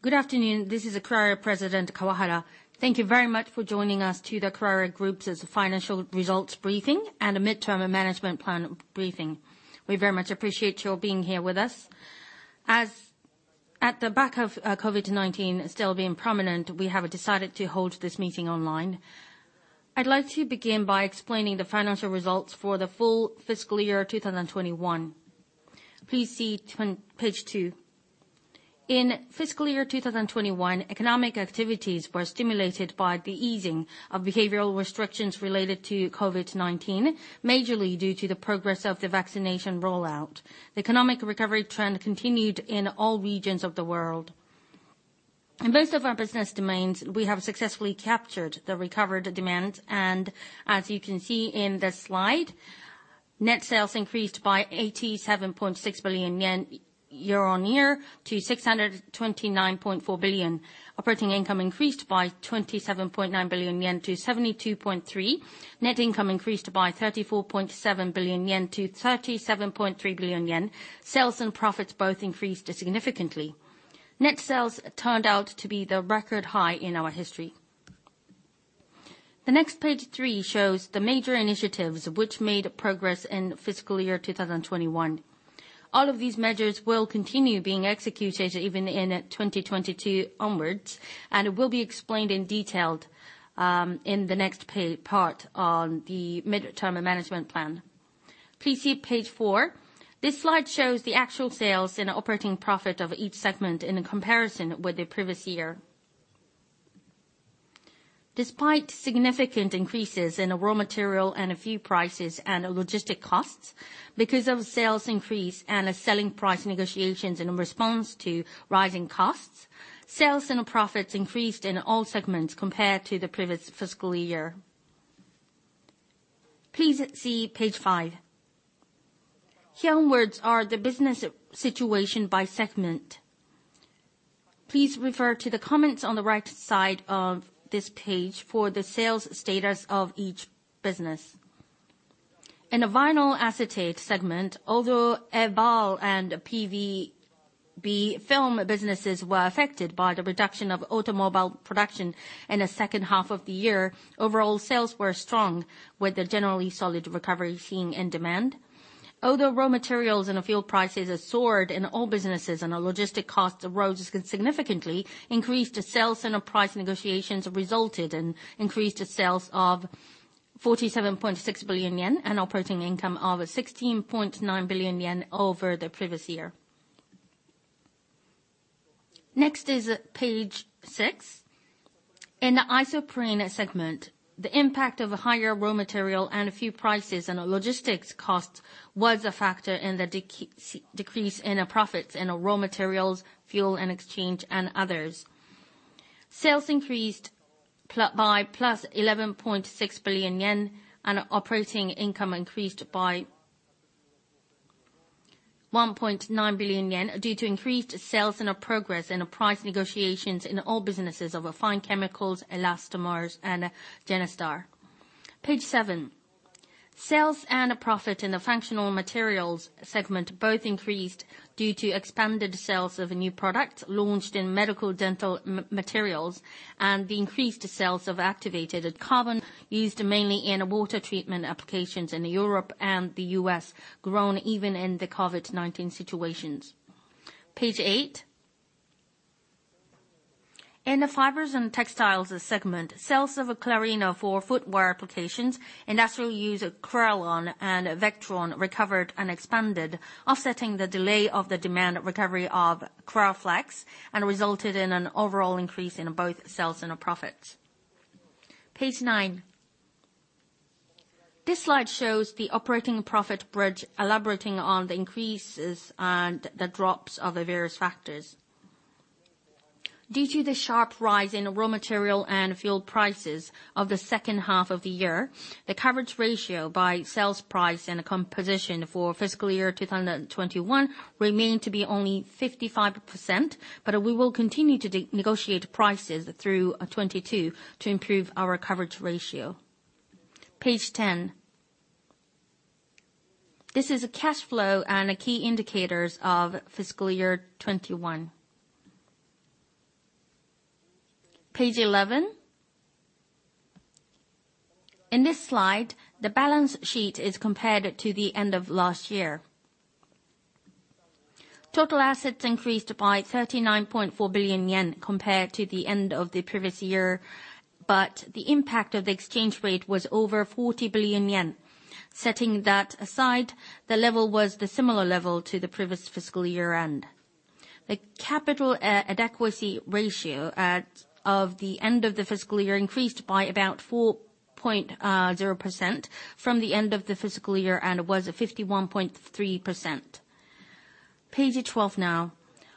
Good afternoon. This is Kuraray President Kawahara. Thank you very much for joining us at the Kuraray Group's financial results briefing and midterm management plan briefing. We very much appreciate your being here with us. Against the backdrop of COVID-19 still being prominent, we have decided to hold this meeting online. I'd like to begin by explaining the financial results for the full fiscal year 2021. Please see page two. In fiscal year 2021, economic activities were stimulated by the easing of behavioral restrictions related to COVID-19, mainly due to the progress of the vaccination rollout. The economic recovery trend continued in all regions of the world. In most of our business domains, we have successfully captured the recovered demand. As you can see in this slide, net sales increased by 87.6 billion yen year-on-year to 629.4 billion. Operating income increased by 27.9 billion yen to 72.3 billion. Net income increased by 34.7 billion yen to 37.3 billion yen. Sales and profits both increased significantly. Net sales turned out to be the record high in our history. The next page three shows the major initiatives that made progress in fiscal year 2021. All of these measures will continue being executed even in 2022 onwards, and will be explained in detail in the next part on the midterm management plan. Please see page four. This slide shows the actual sales and operating profit of each segment in comparison with the previous year. Despite significant increases in raw material and a few prices and logistic costs, due to sales increase and negotiations on selling prices in response to rising costs, sales and profits increased in all segments compared to the previous fiscal year. Please see page five. Here onwards are the business situation by segment. Please refer to the comments on the right side of this page for the sales status of each business. In the Vinyl Acetate segment, although EVAL and PVB film businesses were affected by the reduction of automobile production in the second half of the year, overall sales were strong, with a generally solid recovery seen in demand. Although raw materials and fuel prices have soared in all businesses, and our logistic costs rose significantly, increased sales and price negotiations resulted in increased sales of 47.6 billion yen and operating income of 16.9 billion yen over the previous year. Next is page six. In the Isoprene segment, the impact of higher raw material and fuel prices and logistics costs was a factor in the decrease in profits in raw materials, fuel and exchange, and others. Sales increased by +11.6 billion yen, and operating income increased by 1.9 billion yen due to increased sales and progress in price negotiations in all businesses of refined chemicals, elastomers, and GENESTAR. Page seven. Sales and profit in the Functional Materials segment both increased due to expanded sales of new products launched in medical and dental materials, and the increased sales of activated carbon used mainly in water treatment applications in Europe and the U.S., grown even in the COVID-19 situation. Page eight. In the Fibers and Textiles segment, sales of CLARINO for footwear applications, industrial use of KURALON and VECTRAN recovered and expanded, offsetting the delay of the demand recovery of KURAFLEX, and resulted in an overall increase in both sales and profit. Page nine. This slide shows the operating profit bridge, elaborating on the increases and the drops of the various factors. Due to the sharp rise in raw material and fuel prices in the second half of the year, the coverage ratio by sales price and composition for fiscal year 2021 remained only 55%, but we will continue to negotiate prices through 2022 to improve our coverage ratio. Page 10. This is the cash flow and key indicators of the fiscal year 2021. Page 11. In this slide, the balance sheet is compared to the end of last year. Total assets increased by 39.4 billion yen compared to the end of the previous year, but the impact of the exchange rate was over 40 billion yen. Setting that aside, the level was similar level to the previous fiscal year-end. The capital adequacy ratio at the end of the fiscal year increased by about 4.0% from the end of the fiscal year and was 51.3%. Page 12 now.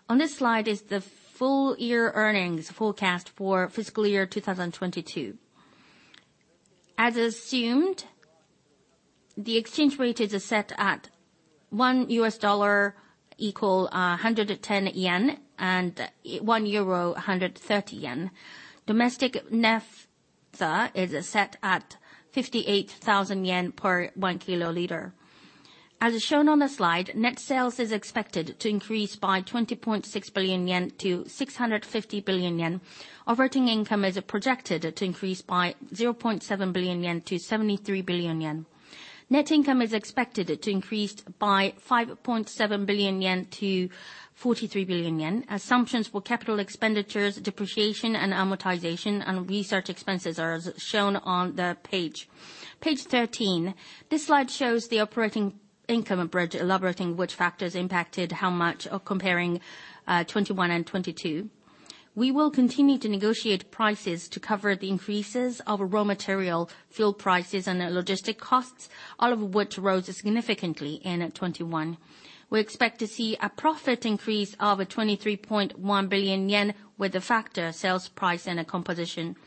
On this slide is the full year earnings forecast for fiscal year 2022. As assumed, the exchange rate is set at $1 = JPY 110, and EUR 1 = 130 yen. Domestic naphtha is priced at 58,000 yen per 1 kiloliter. As shown on the slide, net sales is expected to increase by 20.6 billion yen to 650 billion yen. Operating income is projected to increase by 0.7 billion yen to 73 billion yen. Net income is expected to increase by 5.7 billion yen to 43 billion yen. Assumptions for capital expenditures, depreciation, amortization, and research expenses are as shown on the page. Page 13. This slide shows the operating income bridge, elaborating on which factors impacted how much the comparison of 2021 and 2022. We will continue to negotiate prices to cover the increases in raw materials, fuel prices, and the logistic costs, all of which rose significantly in 2021. We expect to see a profit increase of 23.1 billion yen with the factor sales price and composition.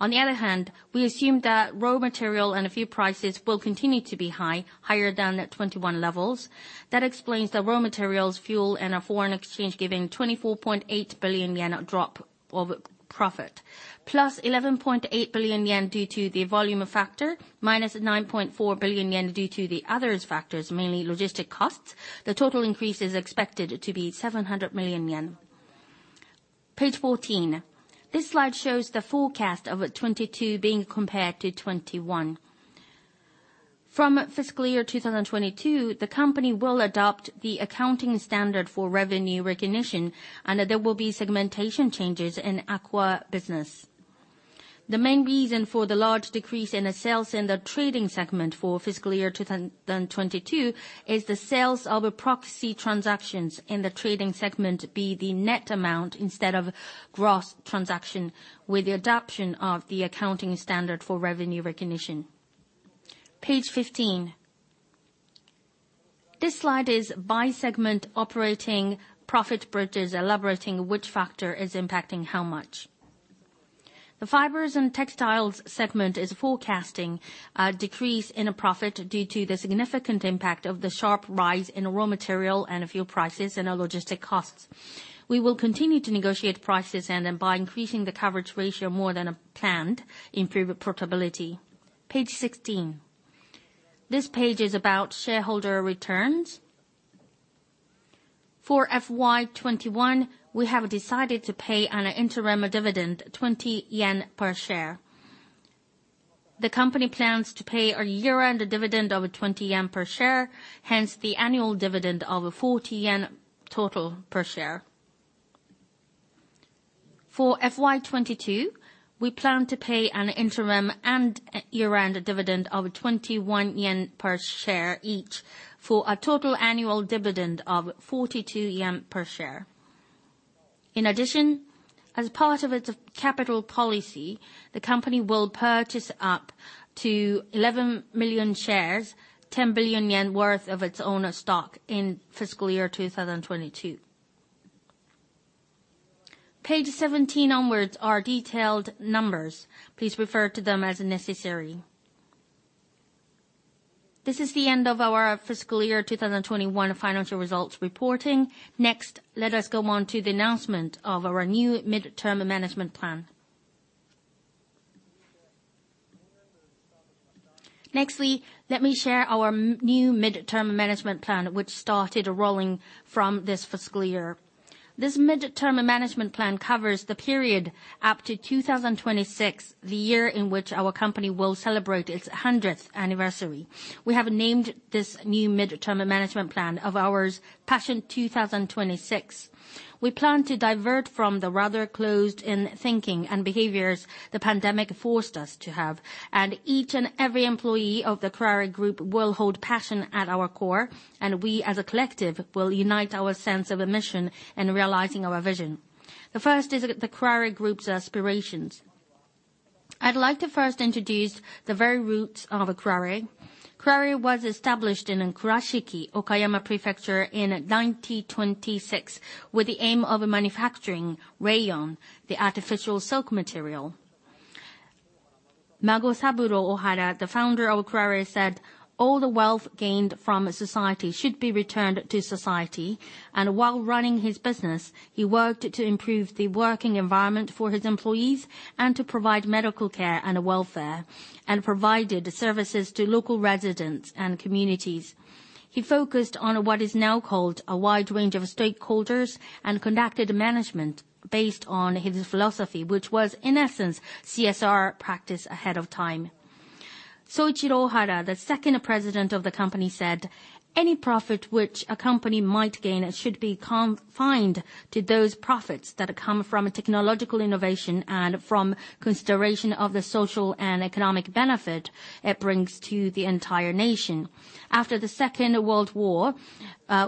On the other hand, we assume that raw material and fuel prices will continue to be high, higher than the 2021 levels. That explains the raw materials, fuel, and foreign exchange, giving 24.8 billion yen drop in profit. +11.8 billion yen due to the volume of factors, -9.4 billion yen due to the other factors, mainly logistic costs. The total increase is expected to be 700 million yen. Page 14. This slide shows the forecast of 2022 compared to 2021. From fiscal year 2022, the company will adopt the accounting standard for revenue recognition, and there will be segmentation changes in the AQUA business. The main reason for the large decrease in sales in the Trading segment for fiscal year 2022 is that sales of proxy transactions in the Trading segment are the net amount instead of gross transactions with the adoption of the accounting standard for revenue recognition. Page 15. This slide is by segment operating profit bridges elaborating which factor is impacting how much. The fibers and textiles segment is forecasting a decrease in profit due to the significant impact of the sharp rise in raw material and fuel prices and our logistics costs. We will continue to negotiate prices and then, by increasing the coverage ratio more than planned, improve profitability. Page 16. This page is about shareholder returns. For FY 2021, we have decided to pay an interim dividend of 20 yen per share. The company plans to pay a year-end dividend of 20 yen per share, hence the annual dividend of 40 yen per share. For FY 2022, we plan to pay an interim and year-end dividend of 21 yen per share each for a total annual dividend of 42 yen per share. In addition, as part of its capital policy, the company will purchase up to 11 million shares, 10 billion yen worth of its own stock in fiscal year 2022. Page 17 onwards contains detailed numbers. Please refer to them as necessary. This is the end of our fiscal year 2021 financial results reporting. Next, let us go on to the announcement of our new medium-term management plan. Next, let me share our new medium-term management plan, which started rolling from this fiscal year. This medium-term management plan covers the period up to 2026, the year in which our company will celebrate its 100th anniversary. We have named this new medium-term management plan of ours PASSION 2026. We plan to depart from the rather closed-in thinking and behaviors the pandemic forced us to have. Every employee of the Kuraray Group will hold passion at our core, and we, as a collective, will unite our sense of mission in realizing our vision. The first is the Kuraray Group's aspirations. I'd like to first introduce the very roots of Kuraray. Kuraray was established in Kurashiki, Okayama Prefecture, in 1926 with the aim of manufacturing rayon, an artificial silk material. Magosaburo Ohara, the founder of Kuraray, said all the wealth gained from society should be returned to society. While running his business, he worked to improve the working environment for his employees and to provide medical care and welfare, and provided services to local residents and communities. He focused on what is now called a wide range of stakeholders and conducted management based on his philosophy, which was, in essence, a CSR practice ahead of time. Soichiro Ohara, the second president of the company, said any profit that a company might gain should be confined to those profits that come from technological innovation and from consideration of the social and economic benefit it brings to the entire nation. After the Second World War,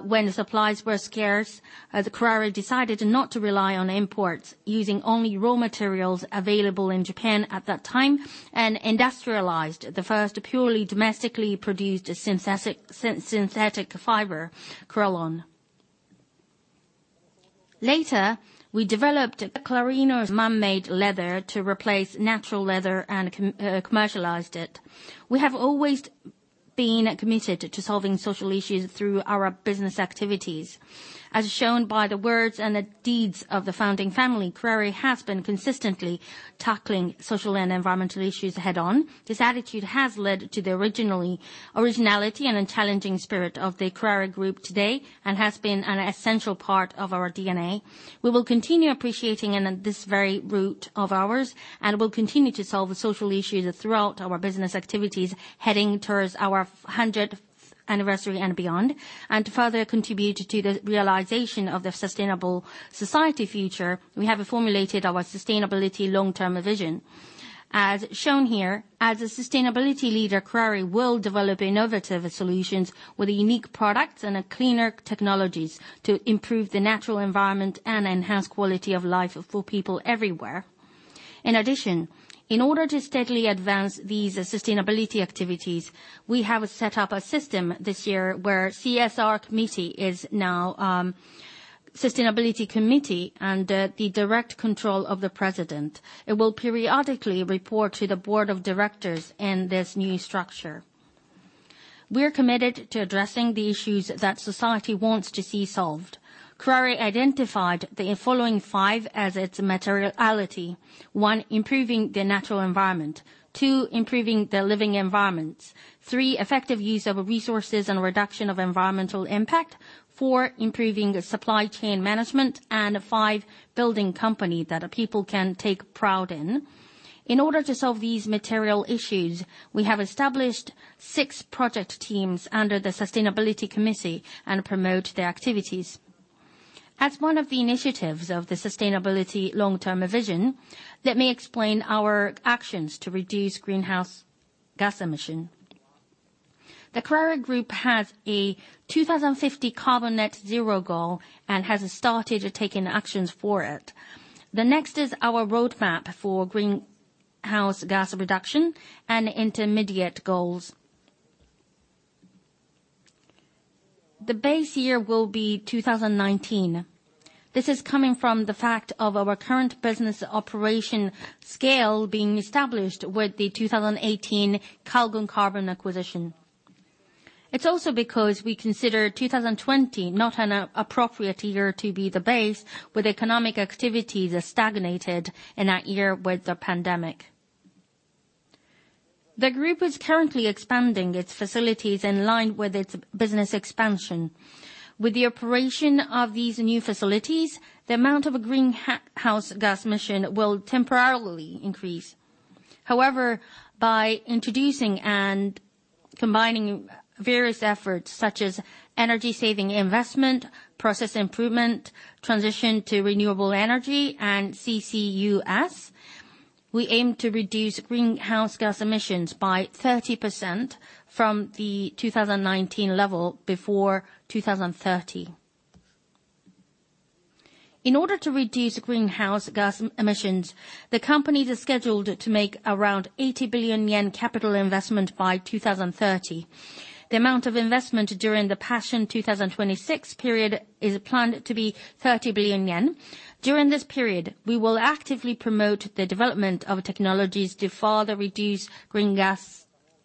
when supplies were scarce, Kuraray decided not to rely on imports, using only raw materials available in Japan at that time, and industrialized the first purely domestically produced synthetic fiber, KURALON. Later, we developed CLARINO man-made leather to replace natural leather and commercialized it. We have always been committed to solving social issues through our business activities. As shown by the words and the deeds of the founding family, Kuraray has been consistently tackling social and environmental issues head-on. This attitude has led to the originality and challenging spirit of the Kuraray Group today and has been an essential part of our DNA. We will continue appreciating in this very root of ours, and will continue to solve social issues throughout our business activities, heading towards our 100th anniversary and beyond. To further contribute to the realization of a sustainable society, we have formulated our long-term sustainability vision. As shown here, as a sustainability leader, Kuraray will develop innovative solutions with unique products and cleaner technologies to improve the natural environment and enhance the quality of life for people everywhere. In addition, in order to steadily advance these sustainability activities, we have set up a system this year where the CSR committee is now the sustainability committee under the direct control of the president. It will periodically report to the board of directors in this new structure. We're committed to addressing the issues that society wants to see solved. Kuraray identified the following five as its materiality. One, improving the natural environment. Two, improving the living environments. Three, effective use of resources and reduction of environmental impact. Four, improving supply chain management, and five, building a company that people can take pride in. In order to solve these material issues, we have established six project teams under the sustainability committee and promote their activities. As one of the initiatives of the sustainability long-term vision, let me explain our actions to reduce greenhouse gas emissions. The Kuraray Group has a 2050 carbon net-zero goal and has started taking actions for it. The next is our roadmap for greenhouse gas reduction and intermediate goals. The base year will be 2019. This is coming from the fact that our current business operation scale is being established with the 2018 Calgon Carbon acquisition. It's also because we consider 2020 not an appropriate year to be the base, with economic activities stagnated in that year due to the pandemic. The group is currently expanding its facilities in line with its business expansion. With the operation of these new facilities, the amount of greenhouse gas emissions will temporarily increase. However, by introducing and combining various efforts such as energy-saving investment, process improvement, transition to renewable energy, and CCUS, we aim to reduce greenhouse gas emissions by 30% from the 2019 level before 2030. In order to reduce greenhouse gas emissions, the company is scheduled to make around 80 billion yen in capital investment by 2030. The amount of investment during the PASSION 2026 period is planned to be 30 billion yen. During this period, we will actively promote the development of technologies to further reduce greenhouse gas emissions.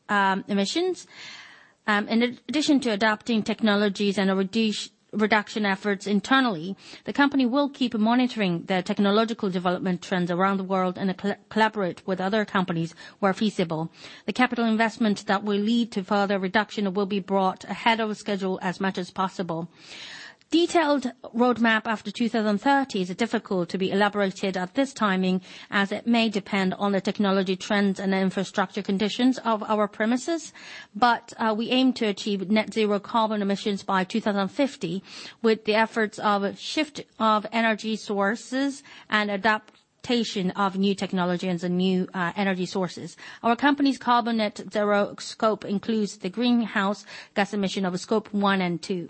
In addition to adopting technologies and reduction efforts internally, the company will keep monitoring the technological development trends around the world and collaborate with other companies where feasible. The capital investment that will lead to further reduction will be brought ahead of schedule as much as possible. Detailed roadmap after 2030 is difficult to be elaborated at this timing, as it may depend on the technology trends and infrastructure conditions of our premises. We aim to achieve net zero carbon emissions by 2050 with the efforts of shift of energy sources and adaptation of new technologies and new energy sources. Our company's carbon net zero scope includes the greenhouse gas emission of Scope 1 and Scope 2.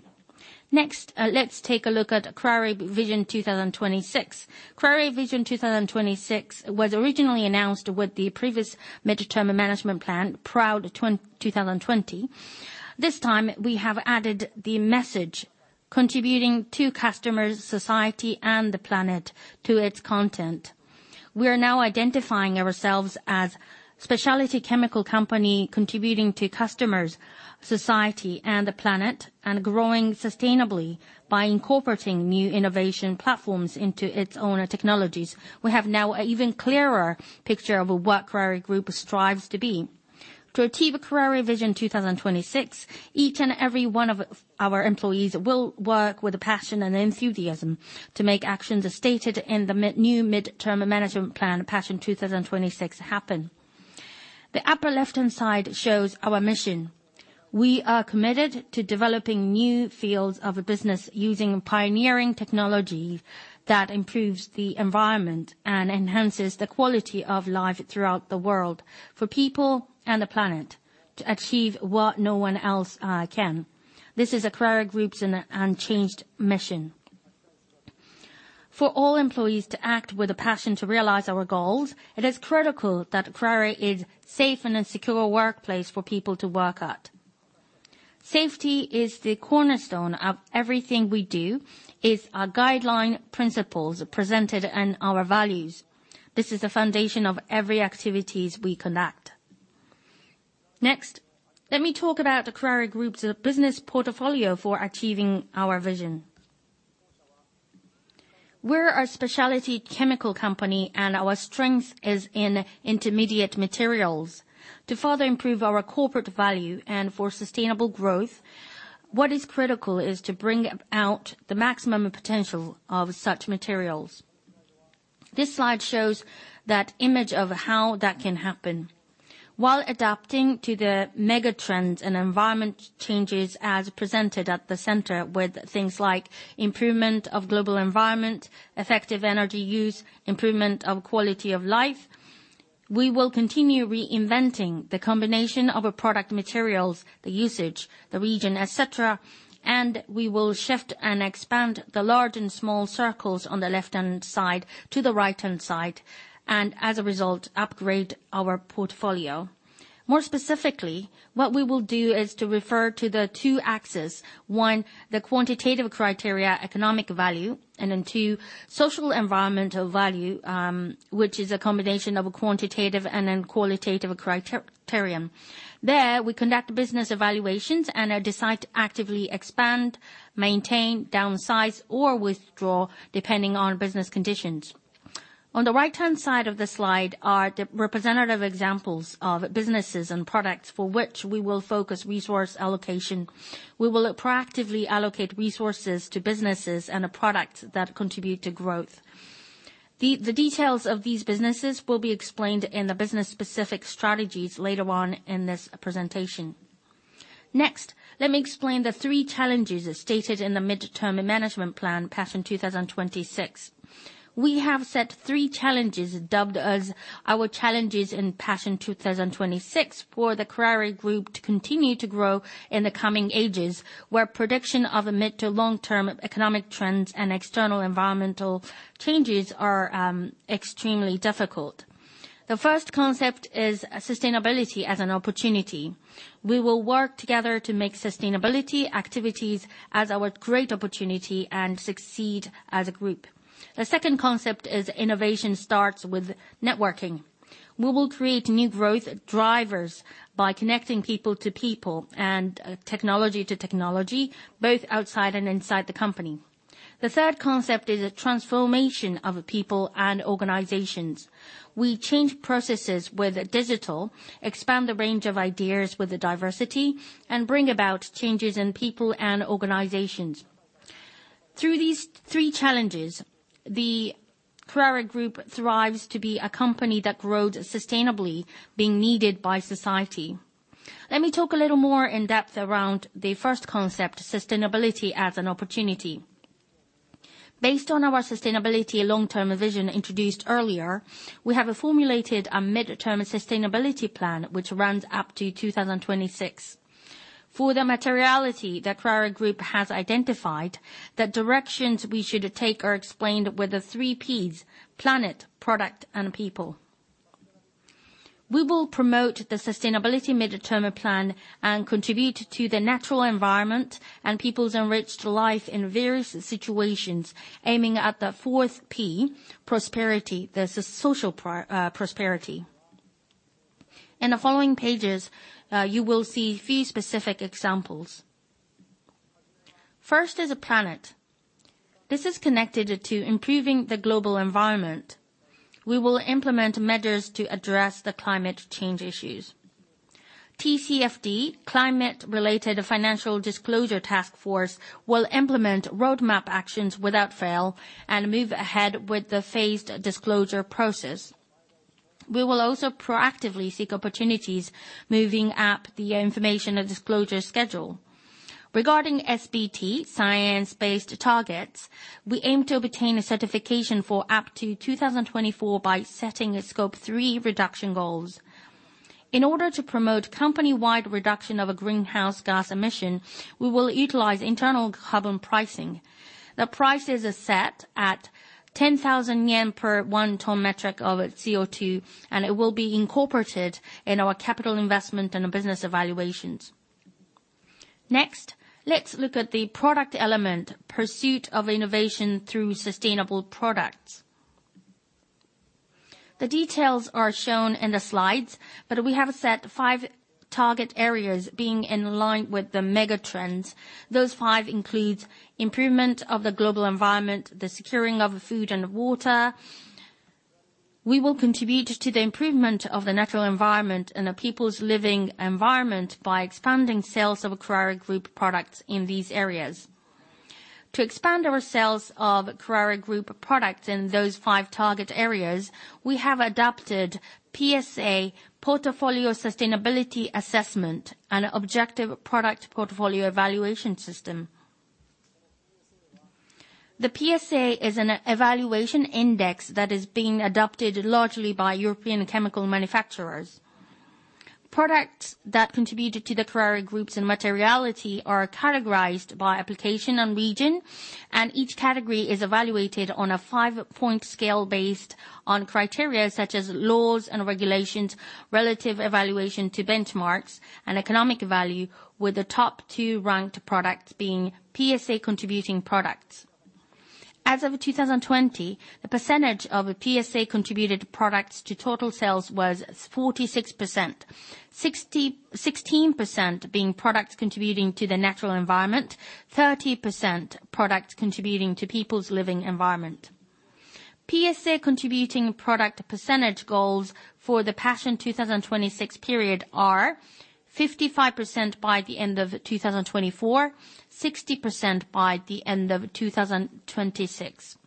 Next, let's take a look at Kuraray Vision 2026. Kuraray Vision 2026 was originally announced with the previous mid-term management plan, PROUD 2020. This time, we have added the message, "Contributing to customers, society, and the planet," to its content. We are now identifying ourselves as a specialty chemical company contributing to customers, society, and the planet, and growing sustainably by incorporating new innovation platforms into our own technologies. We now have an even clearer picture of what Kuraray Group strives to be. To achieve Kuraray Vision 2026, every one of our employees will work with passion and enthusiasm to make actions as stated in the new mid-term management plan, PASSION 2026, happen. The upper left-hand side shows our mission. We are committed to developing new fields of business using pioneering technology that improves the environment and enhances the quality of life throughout the world for people and the planet to achieve what no one else can. This is Kuraray Group's unchanged mission. For all employees to act with a passion to realize our goals, it is critical that Kuraray is a safe and secure workplace for people to work. Safety is the cornerstone of everything we do, is our guiding principle presented in our values. This is the foundation of every activity we conduct. Next, let me talk about the Kuraray Group's business portfolio for achieving our vision. We're a specialty chemical company, and our strength is in intermediate materials. To further improve our corporate value and for sustainable growth, what is critical is to bring out the maximum potential of such materials. This slide shows that image of how that can happen. While adapting to the mega trends and environment changes as presented at the center, with things like improvement of global environment, effective energy use, improvement of quality of life, we will continue reinventing the combination of product materials, the usage, the region, et cetera, and we will shift and expand the large and small circles on the left-hand side to the right-hand side, and as a result, upgrade our portfolio. More specifically, what we will do is to refer to the two axes. One, the quantitative criteria economic value, and then two, social environmental value, which is a combination of quantitative and qualitative criteria. There, we conduct business evaluations and decide to actively expand, maintain, downsize, or withdraw depending on business conditions. On the right-hand side of the slide are the representative examples of businesses and products for which we will focus resource allocation. We will proactively allocate resources to businesses and products that contribute to growth. The details of these businesses will be explained in the business-specific strategies later on in this presentation. Next, let me explain the three challenges stated in the medium-term management plan, PASSION 2026. We have set three challenges dubbed as our challenges in PASSION 2026 for the Kuraray Group to continue to grow in the coming ages, where the prediction of mid- to long-term economic trends and external environmental changes in extremely difficult. The first concept is sustainability as an opportunity. We will work together to make sustainability activities as our great opportunity and succeed as a group. The second concept is innovation starts with networking. We will create new growth drivers by connecting people to people and technology to technology, both outside and inside the company. The third concept is a transformation of people and organizations. We change processes with digital, expand the range of ideas with the diversity, and bring about changes in people and organizations. Through these three challenges, the Kuraray Group strives to be a company that grows sustainably, being needed by society. Let me talk a little more in-depth around the first concept, sustainability as an opportunity. Based on our sustainability long-term vision introduced earlier, we have formulated a midterm sustainability plan, which runs up to 2026. For the materiality that Kuraray Group has identified, the directions we should take are explained with the three Ps, planet, product, and people. We will promote the sustainability midterm plan and contribute to the natural environment and people's enriched life in various situations, aiming at the fourth P, prosperity. There's a social prosperity. In the following pages, you will see a few specific examples. First is a planet. This is connected to improving the global environment. We will implement measures to address the climate change issues. TCFD, Climate-Related Financial Disclosure Task Force, will implement roadmap actions without fail and move ahead with the phased disclosure process. We will also proactively seek opportunities to move up the information and disclosure schedule. Regarding SBT, Science-Based Targets, we aim to obtain a certification for up to 2024 by setting a Scope 3 reduction goal. In order to promote company-wide reduction on greenhouse gas emissions, we will utilize internal carbon pricing. The price is set at 10,000 yen per metric ton of CO2, and it will be incorporated in our capital investment and business evaluations. Next, let's look at the product element, the pursuit of innovation through sustainable products. The details are shown in the slides, but we have set five target areas in line with the megatrends. Those five include improvement of the global environment, the securing of food and water. We will contribute to the improvement of the natural environment and the people's living environment by expanding sales of Kuraray Group products in these areas. To expand our sales of Kuraray Group products in those five target areas, we have adopted PSA, Portfolio Sustainability Assessment, an objective product portfolio evaluation system. The PSA is an evaluation index that is being adopted largely by European chemical manufacturers. Products that contribute to the Kuraray Group's materiality are categorized by application and region, and each category is evaluated on a five-point scale based on criteria such as laws and regulations, relative evaluation to benchmarks, and economic value, with the top two-ranked products being PSA contributing products. As of 2020, the percentage of PSA contributed products to total sales was 46%. 16% being products contributing to the natural environment, 30% products contributing to people's living environment. PSA contributing product percentage goals for the PASSION 2026 period are 55% by the end of 2024, 60% by the end of 2026.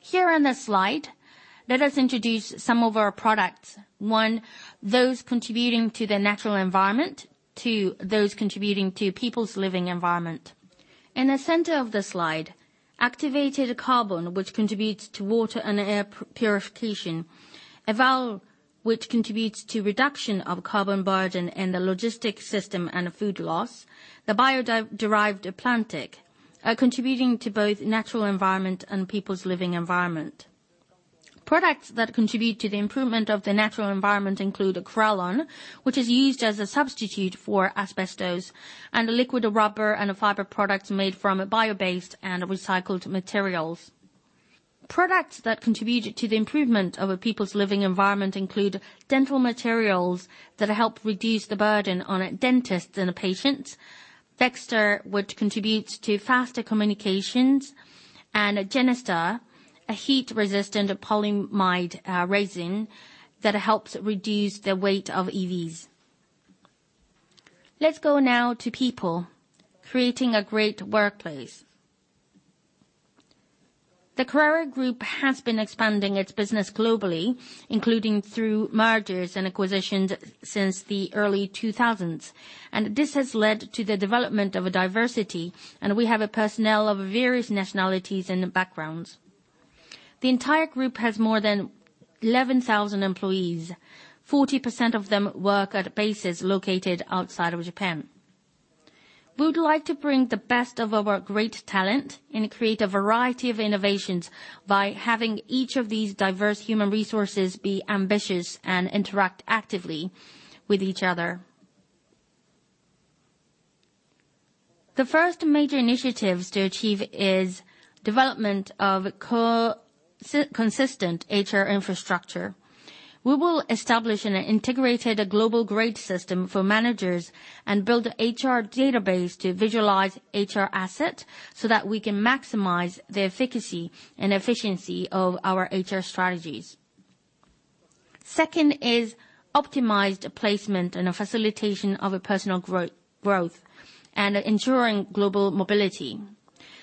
Here on the slide, let us introduce some of our products. One, those contributing to the natural environment. Two, those contributing to people's living environment. In the center of the slide, activated carbon, which contributes to water and air purification. EVAL, which contributes to the reduction of carbon burden in the logistics system and food loss. The bio-derived PLANTIC is contributing to both the natural environment and people's living environment. Products that contribute to the improvement of the natural environment include KURALON, which is used as a substitute for asbestos, and liquid rubber and fiber products made from bio-based and recycled materials. Products that contribute to the improvement of people's living environment include dental materials that help reduce the burden on dentists and patients. VECTRAN, which contributes to faster communications. GENESTAR, a heat-resistant polyamide resin that helps reduce the weight of EVs. Let's go now to the people. Creating a great workplace. The Kuraray Group has been expanding its business globally, including through mergers and acquisitions since the early 2000s, and this has led to the development of diversity, and we have personnel of various nationalities and backgrounds. The entire group has more than 11,000 employees. 40% of them work at bases located outside of Japan. We would like to bring the best of our great talent and create a variety of innovations by having each of these diverse human resources be ambitious and interact actively with each other. The first major initiative to achieve is the development of a consistent HR infrastructure. We will establish an integrated global grade system for managers and build an HR database to visualize HR assets so that we can maximize the efficacy and efficiency of our HR strategies. Second is optimized placement and facilitation of personal growth, and ensuring global mobility.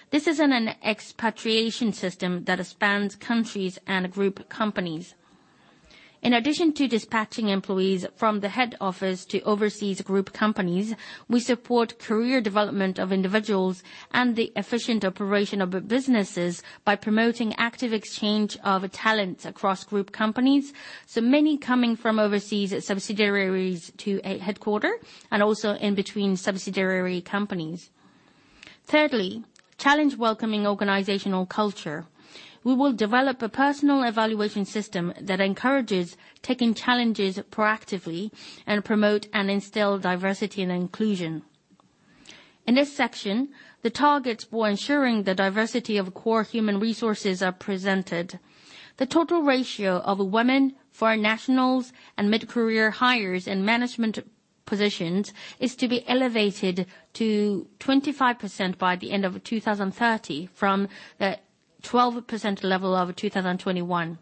This is an expatriation system that spans countries and group companies. In addition to dispatching employees from the head office to overseas group companies, we support the career development of individuals and the efficient operation of businesses by promoting active exchange of talents across group companies, so many coming from overseas subsidiaries to the headquarters, and also between subsidiary companies. Thirdly, challenge a welcoming organizational culture. We will develop a personal evaluation system that encourages taking challenges proactively and promotes and instills diversity and inclusion. In this section, the targets for ensuring the diversity of core human resources are presented. The total ratio of women, foreign nationals, and mid-career hiress in management positions is to be elevated to 25% by the end of 2030, from the 12% level of 2021.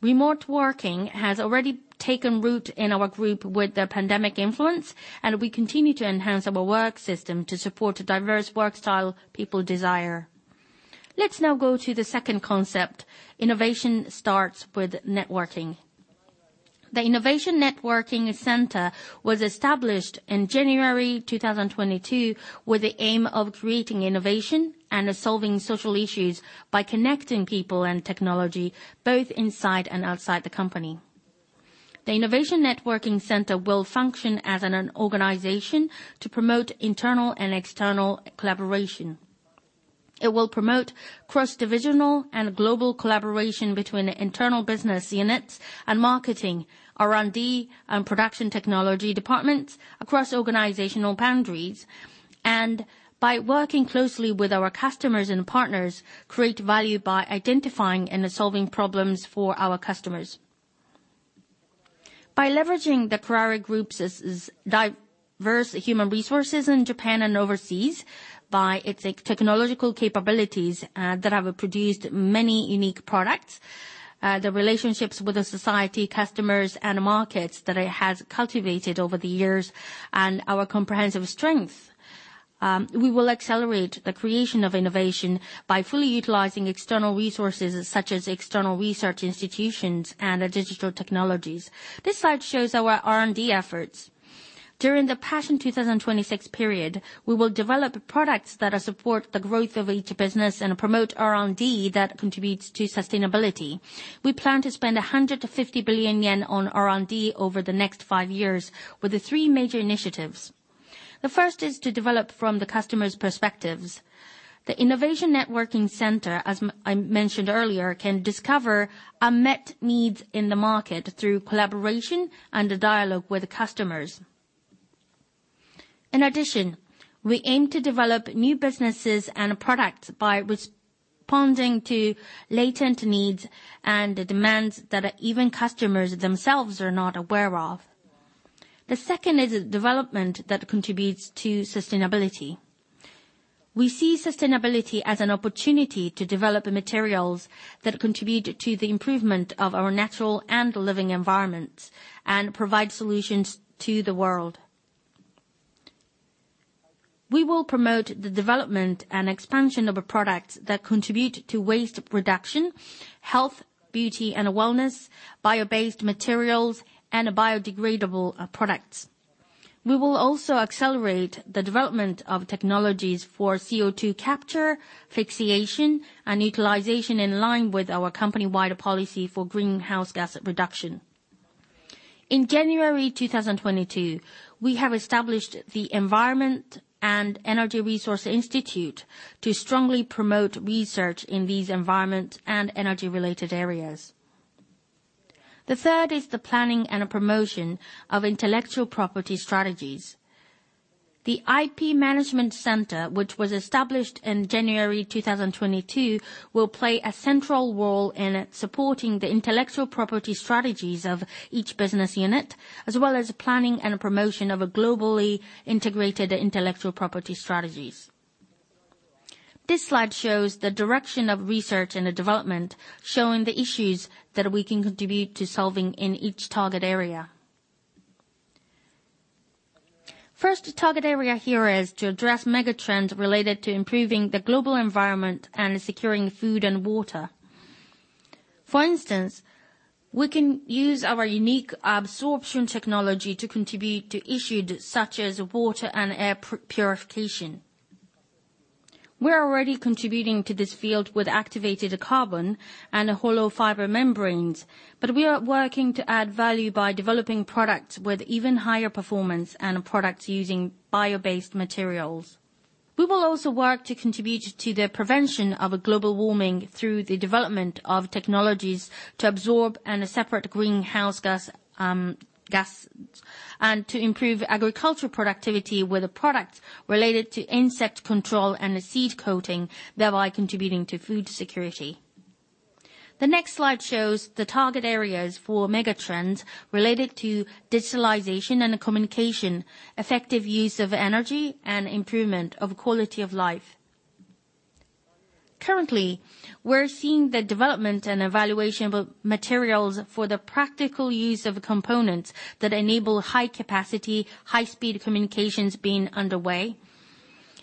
Remote working has already taken root in our group with the pandemic influence, and we continue to enhance our work system to support the diverse work style people desire. Let's now go to the second concept. Innovation starts with networking. The Innovation Networking Center was established in January 2022 with the aim of creating innovation and solving social issues by connecting people and technology both inside and outside the company. The Innovation Networking Center will function as an organization to promote internal and external collaboration. It will promote cross-divisional and global collaboration between internal business units and marketing, R&D, and production technology departments across organizational boundaries and by working closely with our customers and partners, create value by identifying and solving problems for our customers. By leveraging the Kuraray Group's diverse human resources in Japan and overseas, its technological capabilities that have produced many unique products, the relationships with the society, customers, and markets that it has cultivated over the years, and our comprehensive strength, we will accelerate the creation of innovation by fully utilizing external resources such as external research institutions and digital technologies. This slide shows our R&D efforts. During the PASSION 2026 period, we will develop products that support the growth of each business and promote R&D that contributes to sustainability. We plan to spend 150 billion yen on R&D over the next 5 years with the three major initiatives. The first is to develop from the customers' perspectives. The Innovation Networking Center, as I mentioned earlier, can discover unmet needs in the market through collaboration and dialogue with customers. In addition, we aim to develop new businesses and products by responding to latent needs and the demands that even customers themselves are not aware of. The second is development that contributes to sustainability. We see sustainability as an opportunity to develop materials that contribute to the improvement of our natural and living environments and provide solutions to the world. We will promote the development and expansion of products that contribute to waste reduction, health, beauty, and wellness, bio-based materials, and biodegradable products. We will also accelerate the development of technologies for CO2 capture, fixation, and utilization in line with our company-wide policy for greenhouse gas reduction. In January 2022, we established The Environment and Energy Research Laboratory to strongly promote research in these environmental and energy-related areas. The third is the planning and promotion of intellectual property strategies. The IP Management Center, which was established in January 2022, will play a central role in supporting the intellectual property strategies of each business unit, as well as planning and promoting a globally integrated intellectual property strategy. This slide shows the direction of research and development, showing the issues that we can contribute to solving in each target area. The first target area here is to address mega trends related to improving the global environment and securing food and water. For instance, we can use our unique absorption technology to contribute to issues such as water and air purification. We're already contributing to this field with activated carbon and hollow fiber membranes. We are working to add value by developing products with even higher performance and products using bio-based materials. We will also work to contribute to the prevention of global warming through the development of technologies to absorb and separate greenhouse gases, and to improve agricultural productivity with products related to insect control and seed coating, thereby contributing to food security. The next slide shows the target areas for mega trends related to digitalization and communication, effective use of energy, and improvement of quality of life. Currently, we're seeing the development and evaluation of materials for the practical use of components that enable high-capacity, high-speed communications being underway.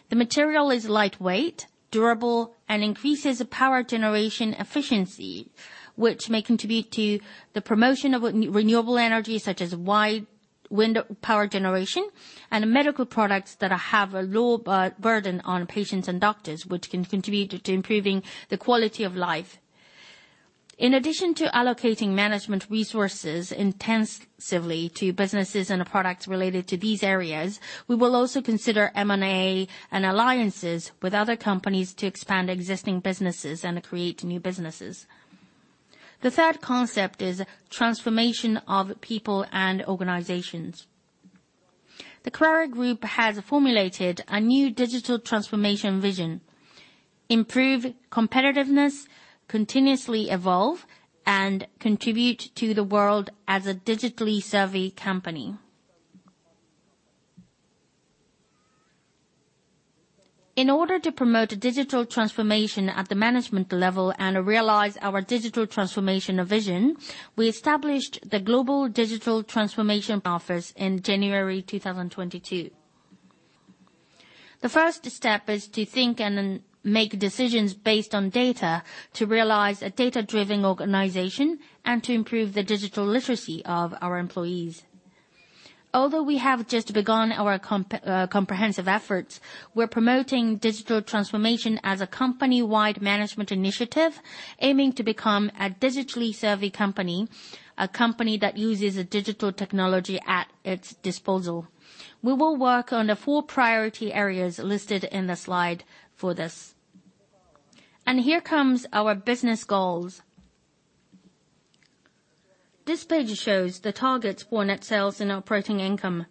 The material is lightweight, durable, and increases power generation efficiency, which may contribute to the promotion of renewable energy, such as offshore wind power generation and medical products that have a low burden on patients and doctors, which can contribute to improving the quality of life. In addition to allocating management resources intensively to businesses and products related to these areas, we will also consider M&A and alliances with other companies to expand existing businesses and create new ones. The third concept is the transformation of people and organizations. The Kuraray Group has formulated a new digital transformation vision to improve competitiveness, continuously evolve, and contribute to the world as a digitally savvy company. In order to promote digital transformation at the management level and realize our digital transformation vision, we established The Global Digital Transformation Office in January 2022. The first step is to think and then make decisions based on data to realize a data-driven organization and to improve the digital literacy of our employees. Although we have just begun our comprehensive efforts, we're promoting digital transformation as a company-wide management initiative, aiming to become a digitally savvy company, a company that uses digital technology at its disposal. We will work on the four priority areas listed in the slide for this. Here comes our business goals. This page shows the targets for net sales and operating income.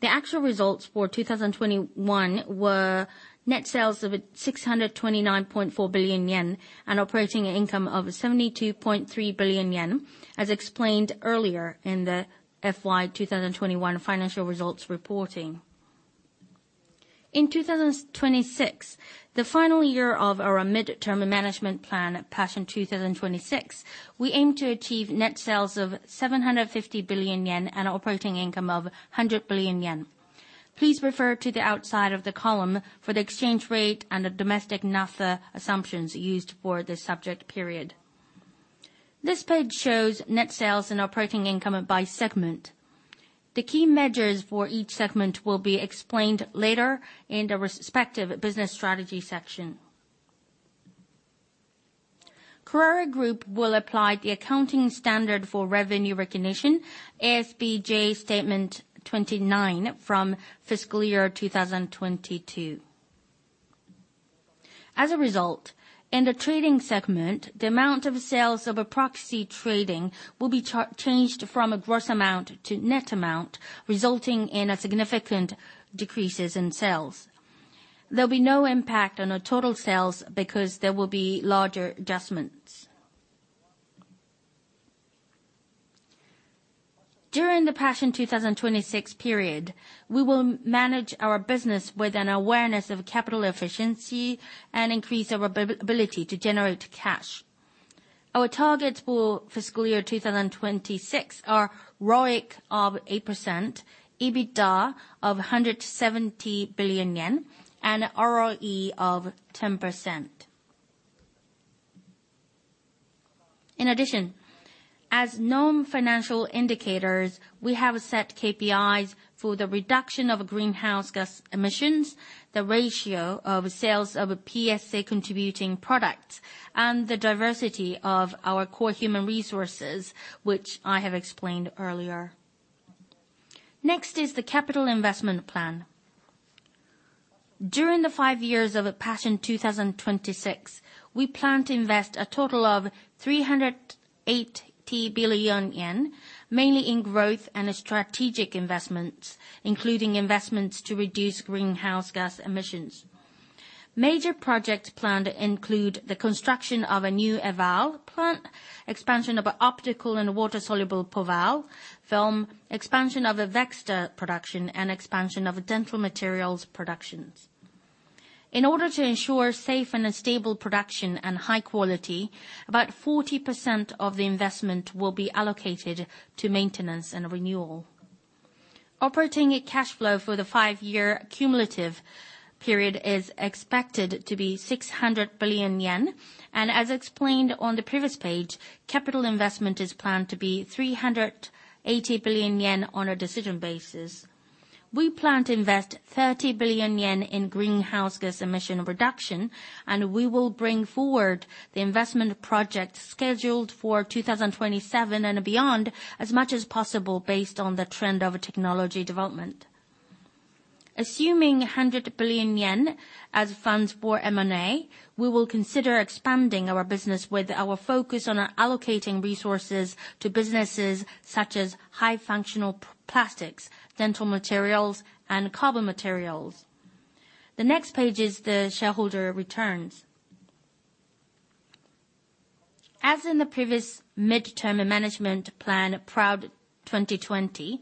The actual results for 2021 were net sales of 629.4 billion yen and operating income of 72.3 billion yen, as explained earlier in the FY 2021 financial results reporting. In 2026, the final year of our midterm management plan, PASSION 2026, we aim to achieve net sales of 750 billion yen and operating income of 100 billion yen. Please refer to the outside of the column for the exchange rate and the domestic naphtha assumptions used for the subject period. This page shows net sales and operating income by segment. The key measures for each segment will be explained later in the respective business strategy section. Kuraray Group will apply the accounting standard for revenue recognition, ASBJ Statement No. 29, from FY 2022. As a result, in the Trading segment, the amount of sales of principal trading will be changed from a gross amount to net amount, resulting in a significant decrease in sales. There'll be no impact on our total sales because there will be larger adjustments. During the PASSION 2026 period, we will manage our business with an awareness of capital efficiency and increase our ability to generate cash. Our targets for fiscal year 2026 are ROIC of 8%, EBITDA of 170 billion yen, and ROE of 10%. In addition, as non-financial indicators, we have set KPIs for the reduction of greenhouse gas emissions, the ratio of sales of our PSA-contributing products, and the diversity of our core human resources, which I have explained earlier. Next is the capital investment plan. During the five years of PASSION 2026, we plan to invest a total of 380 billion yen, mainly in growth and strategic investments, including investments to reduce greenhouse gas emissions. Major projects planned include the construction of a new EVAL plant, expansion of optical and water-soluble POVAL film, expansion of the VECTRAN production, and expansion of dental materials production. In order to ensure safe and stable production and high quality, about 40% of the investment will be allocated to maintenance and renewal. Operating cash flow for the five-year cumulative period is expected to be 600 billion yen. As explained on the previous page, capital investment is planned to be 380 billion yen on a decision basis. We plan to invest 30 billion yen in greenhouse gas emission reduction, and we will bring forward the investment project scheduled for 2027 and beyond as much as possible based on the trend of technology development. Assuming 100 billion yen as funds for M&A, we will consider expanding our business with our focus on allocating resources to businesses such as high-functional plastics, dental materials, and carbon materials. The next page is the shareholder returns. As in the previous midterm management plan, PROUD 2020,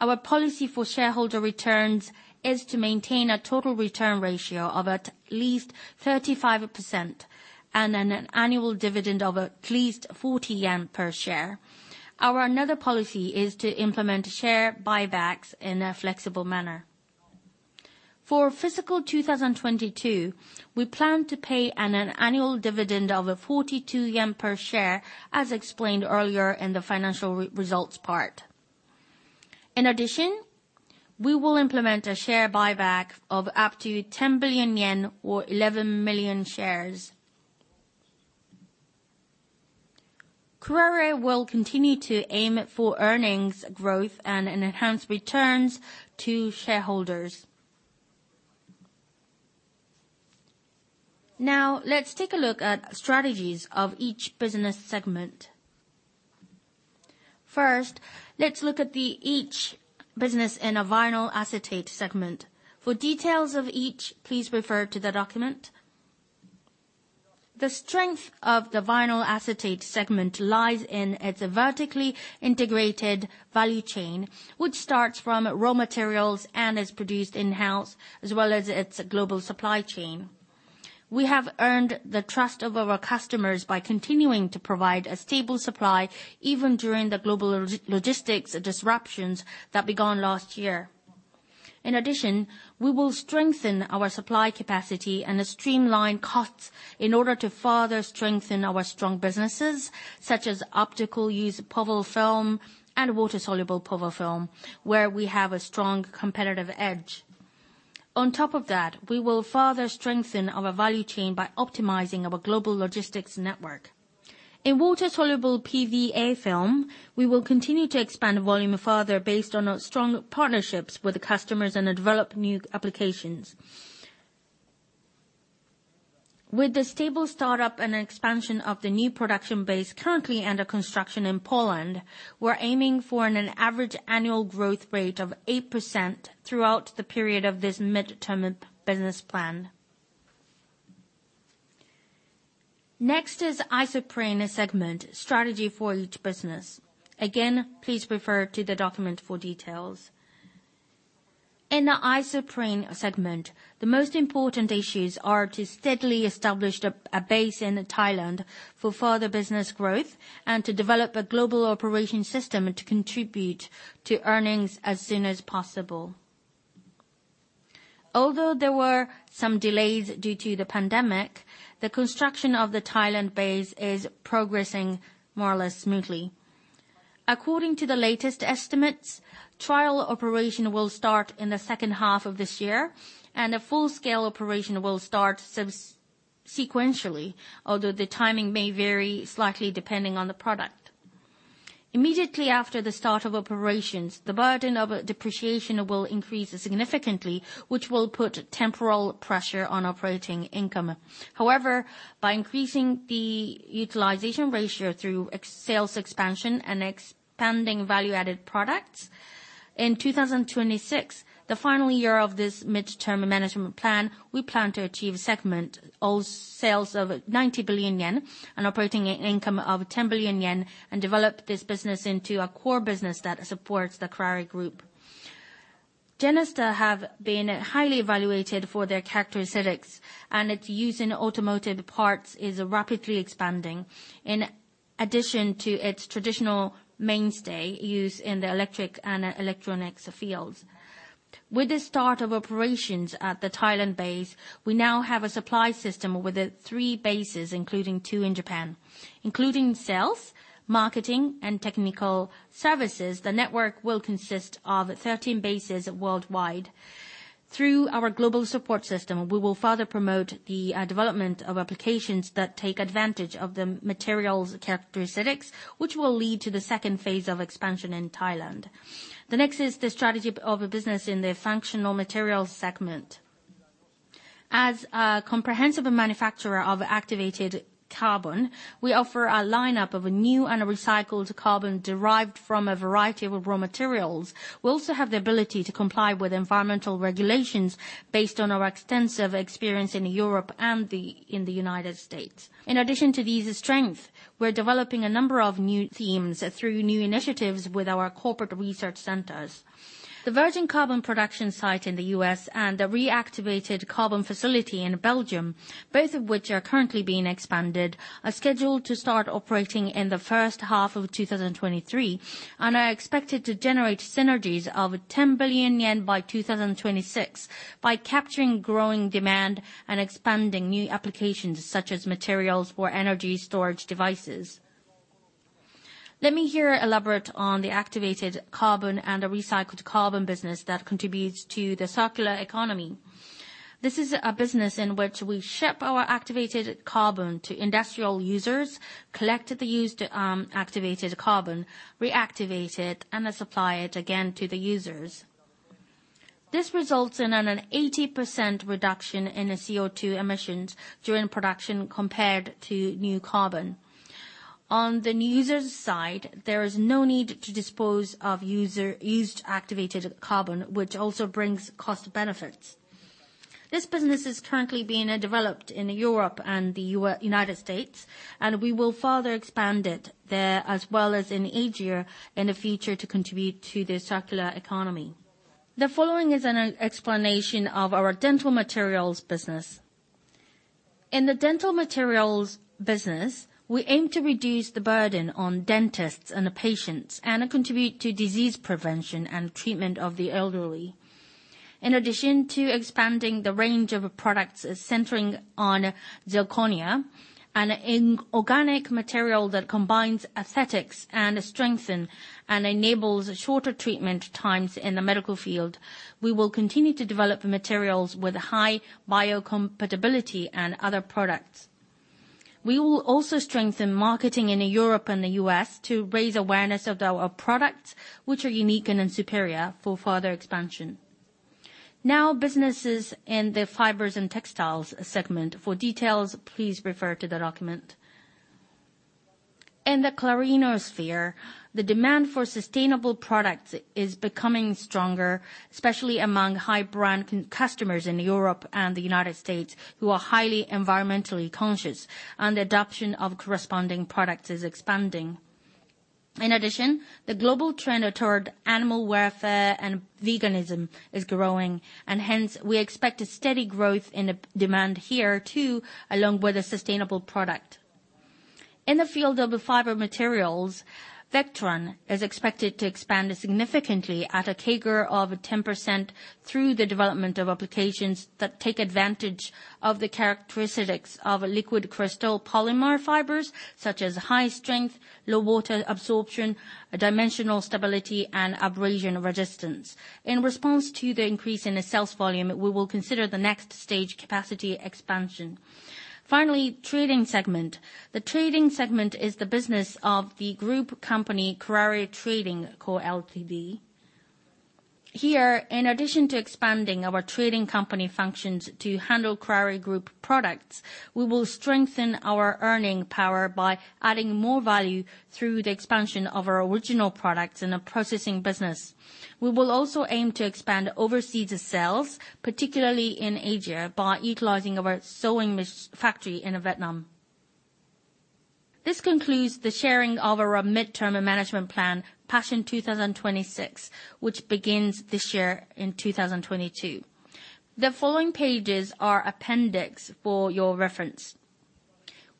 our policy for shareholder returns is to maintain a total return ratio of at least 35% and an annual dividend of at least 40 yen per share. Another policy of ours is to implement share buybacks in a flexible manner. For fiscal 2022, we plan to pay an annual dividend of 42 yen per share, as explained earlier in the financial results part. In addition, we will implement a share buyback of up to 10 billion yen or 11 million shares. Kuraray will continue to aim for earnings growth and enhanced returns to shareholders. Now, let's take a look at strategies of each business segment. First, let's look at each business in a vinyl acetate segment. For details of each, please refer to the document. The strength of the vinyl acetate segment lies in its vertically integrated value chain, which starts from raw materials and is produced in-house, as well as its global supply chain. We have earned the trust of our customers by continuing to provide a stable supply, even during the global logistics disruptions that began last year. In addition, we will strengthen our supply capacity and streamline costs in order to further strengthen our strong businesses, such as optical use POVAL film and water-soluble POVAL film, where we have a strong competitive edge. On top of that, we will further strengthen our value chain by optimizing our global logistics network. In water-soluble PVA film, we will continue to expand volume further based on our strong partnerships with the customers and develop new applications. With the stable start-up and expansion of the new production base currently under construction in Poland, we're aiming for an average annual growth rate of 8% throughout the period of this midterm business plan. Next is the Isoprene segment strategy for each business. Again, please refer to the document for details. In the Isoprene segment, the most important issues are to steadily establish a base in Thailand for further business growth and to develop a global operation system to contribute to earnings as soon as possible. Although there were some delays due to the pandemic, the construction of the Thailand base is progressing more or less smoothly. According to the latest estimates, trial operation will start in the second half of this year, and a full-scale operation will start subsequently, although the timing may vary slightly depending on the product. Immediately after the start of operations, the burden of depreciation will increase significantly, which will put temporary pressure on operating income. However, by increasing the utilization ratio through export sales expansion and expanding value-added products, in 2026, the final year of this medium-term management plan, we plan to achieve segment sales of 90 billion yen, operating income of 10 billion yen, and develop this business into a core business that supports the Kuraray Group. GENESTAR™ has been highly evaluated for its characteristics, and its use in automotive parts is rapidly expanding in addition to its traditional mainstay use in the electric and electronics fields. With the start of operations at the Thailand base, we now have a supply system with the three bases, including two in Japan. Including sales, marketing, and technical services, the network will consist of 13 bases worldwide. Through our global support system, we will further promote the development of applications that take advantage of the materials' characteristics, which will lead to the second phase of expansion in Thailand. The next is the strategy of the business in the Functional Materials segment. As a comprehensive manufacturer of activated carbon, we offer a lineup of new and recycled carbon derived from a variety of raw materials. We also have the ability to comply with environmental regulations based on our extensive experience in Europe and in the United States. In addition to these strengths, we're developing a number of new themes through new initiatives with our corporate research centers. The virgin carbon production site in the U.S. and the reactivated carbon facility in Belgium, both of which are currently being expanded, are scheduled to start operating in the first half of 2023, and are expected to generate synergies of 10 billion yen by 2026 by capturing growing demand and expanding new applications such as materials for energy storage devices. Let me elaborate here on the activated carbon and the recycled carbon business that contributes to the circular economy. This is a business in which we ship our activated carbon to industrial users, collect the used activated carbon, reactivate it, and then supply it again to the users. This results in an 80% reduction in CO2 emissions during production compared to new carbon. On the user's side, there is no need to dispose of user-used activated carbon, which also brings cost benefits. This business is currently being developed in Europe and the United States, and we will further expand it there as well as in Asia in the future to contribute to the circular economy. The following is an explanation of our dental materials business. In the dental materials business, we aim to reduce the burden on dentists and patients and contribute to disease prevention and treatment of the elderly. In addition to expanding the range of products centering on zirconia, an inorganic material that combines aesthetics and strength and enables shorter treatment times in the medical field, we will continue to develop materials with high biocompatibility and other products. We will also strengthen marketing in Europe and the U.S. to raise awareness of our products, which are unique and superior, for further expansion. Now, businesses in the Fibers and Textiles segment. For details, please refer to the document. In the CLARINO sphere, the demand for sustainable products is becoming stronger, especially among high-brand customers in Europe and the United States who are highly environmentally conscious, and the adoption of corresponding products is expanding. In addition, the global trend toward animal welfare and veganism is growing, and hence we expect a steady growth in demand here too, along with a sustainable product. In the field of Fiber Materials, VECTRAN is expected to expand significantly at a CAGR of 10% through the development of applications that take advantage of the characteristics of liquid crystal polymer fibers, such as high strength, low water absorption, dimensional stability, and abrasion resistance. In response to the increase in sales volume, we will consider the next stage capacity expansion. Finally, the Trading segment. The Trading segment is the business of the group company, Kuraray Trading Co, Ltd. Here, in addition to expanding our trading company functions to handle Kuraray Group products, we will strengthen our earning power by adding more value through the expansion of our original products in the processing business. We will also aim to expand overseas sales, particularly in Asia, by utilizing our sewing machine factory in Vietnam. This concludes the sharing of our medium-term management plan, PASSION 2026, which begins this year in 2022. The following pages are appendices for your reference.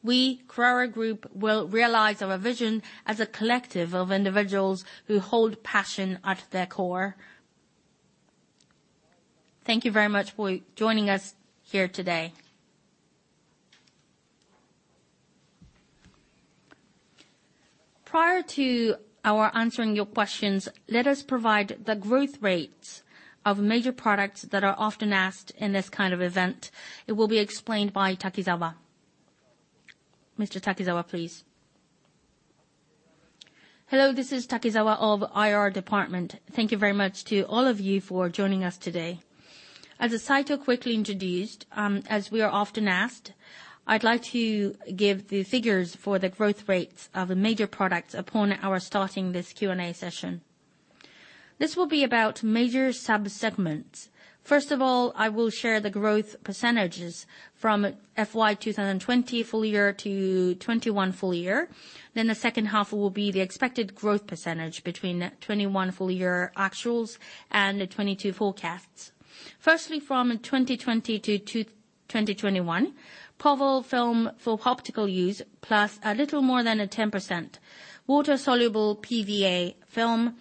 We, Kuraray Group, will realize our vision as a collective of individuals who hold passion at their core. Thank you very much for joining us here today. Prior to answering your questions, let us provide the growth rates of major products that are often asked in this kind of event. It will be explained by Takizawa. Mr. Takizawa, please. Hello, this is Takizawa of IR Department. Thank you very much to all of you for joining us today. As [Kawahara quickly introduced, as we are often asked, I'd like to give the figures for the growth rates of the major products upon our starting this Q&A session. This will be about major sub-segments. First of all, I will share the growth percentages from FY 2020 full year to 2021 full year. Then the second half will be the expected growth percentage between 2021 full year actuals and the 2022 forecasts. First, from 2020 to 2021, POVAL film for optical use, plus a little more than 10%. Water-soluble PVA film,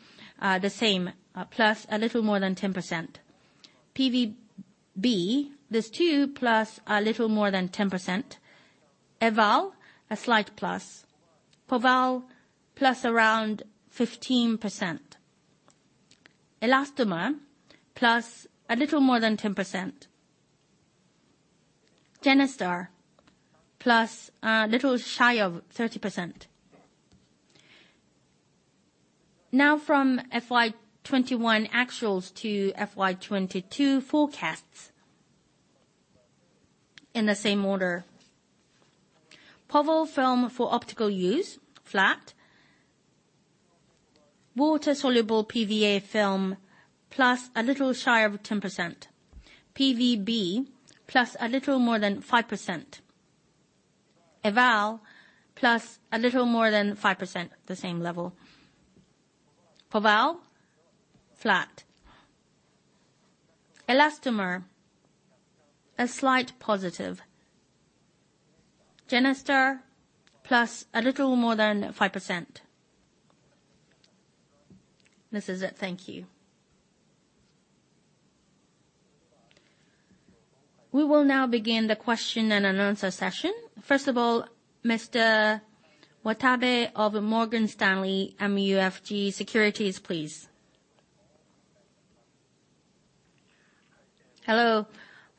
the same, plus a little more than 10%. PVB, these two, plus a little more than 10%. EVAL, a slight plus. POVAL, plus around 15%. Elastomer, plus a little more than 10%. GENESTAR, plus a little shy of 30%. Now from FY 2021 actuals to FY 2022 forecasts. In the same order. POVAL film for optical use, flat. Water-soluble PVA film, plus a little shy of 10%. PVB, plus a little more than 5%. EVAL, plus a little more than 5%, the same level. POVAL, flat. Elastomer, a slight positive. GENESTAR, plus a little more than 5%. This is it. Thank you. We will now begin the question-and-answer session. First of all, Mr. Watabe of Morgan Stanley MUFG Securities, please. Hello,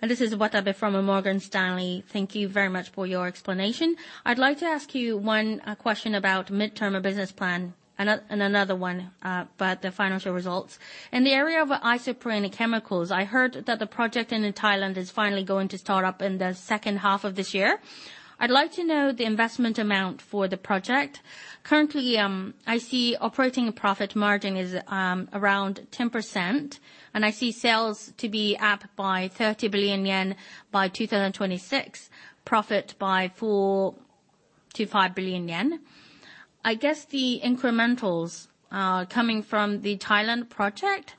this is Watabe from Morgan Stanley. Thank you very much for your explanation. I'd like to ask you one question about medium-term business plan and another one about the financial results. In the area of isoprene chemicals, I heard that the project in Thailand is finally going to start up in the second half of this year. I'd like to know the investment amount for the project. Currently, I see operating profit margin is around 10%, and I see sales to be up by 30 billion yen by 2026, profit by 4 billion-5 billion yen. I guess the incrementals are coming from the Thailand project,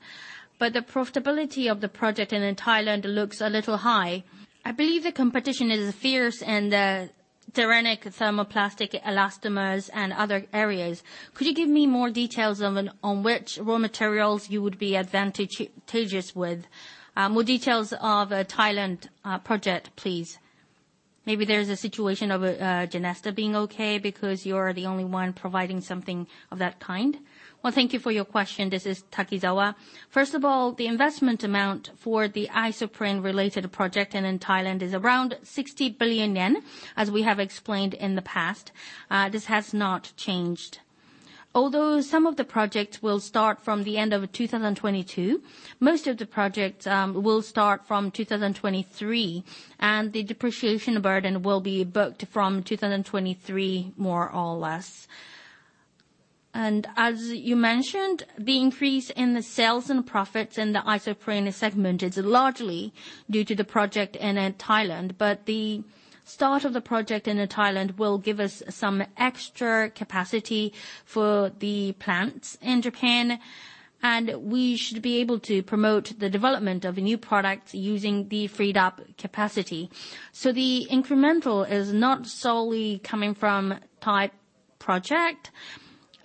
but the profitability of the project in Thailand looks a little high. I believe the competition is fierce in the styrenic thermoplastic elastomers and other areas. Could you give me more details on which raw materials you would be advantageous with? More details of Thailand project, please. Maybe there's a situation of GENESTAR being okay because you're the only one providing something of that kind. Well, thank you for your question. This is Takizawa. First of all, the investment amount for the isoprene related project in Thailand is around 60 billion yen, as we have explained in the past. This has not changed. Although some of the projects will start from the end of 2022, most of the projects will start from 2023, and the depreciation burden will be booked from 2023, more or less. As you mentioned, the increase in the sales and profits in the Isoprene segment is largely due to the project in Thailand. The start of the project in Thailand will give us some extra capacity for the plants in Japan, and we should be able to promote the development of new products using the freed-up capacity. The incremental is not solely coming from Thai project.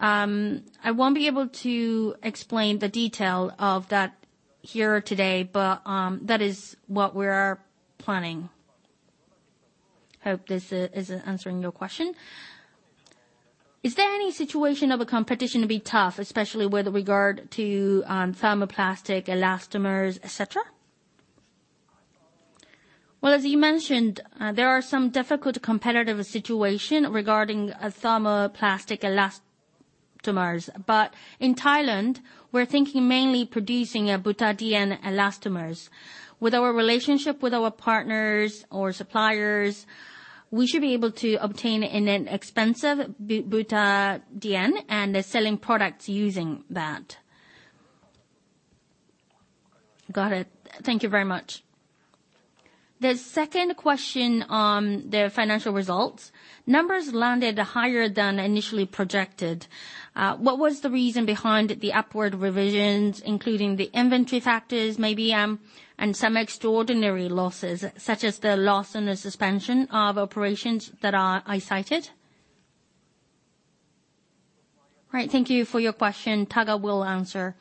I won't be able to explain the detail of that here today, but that is what we are planning. I hope this is answering your question. Is there any situation of a competition to be tough, especially with regard to thermoplastic elastomers, et cetera? Well, as you mentioned, there are some difficult competitive situation regarding thermoplastic elastomers. In Thailand, we're thinking mainly producing butadiene elastomers. With our relationship with our partners or suppliers, we should be able to obtain an inexpensive butadiene and selling products using that. Got it. Thank you very much. The second question on the financial results. Numbers landed higher than initially projected. What was the reason behind the upward revisions, including the inventory factors maybe, and some extraordinary losses, such as the loss and the suspension of operations that I cited? Right. Thank you for your question. Taga will answer.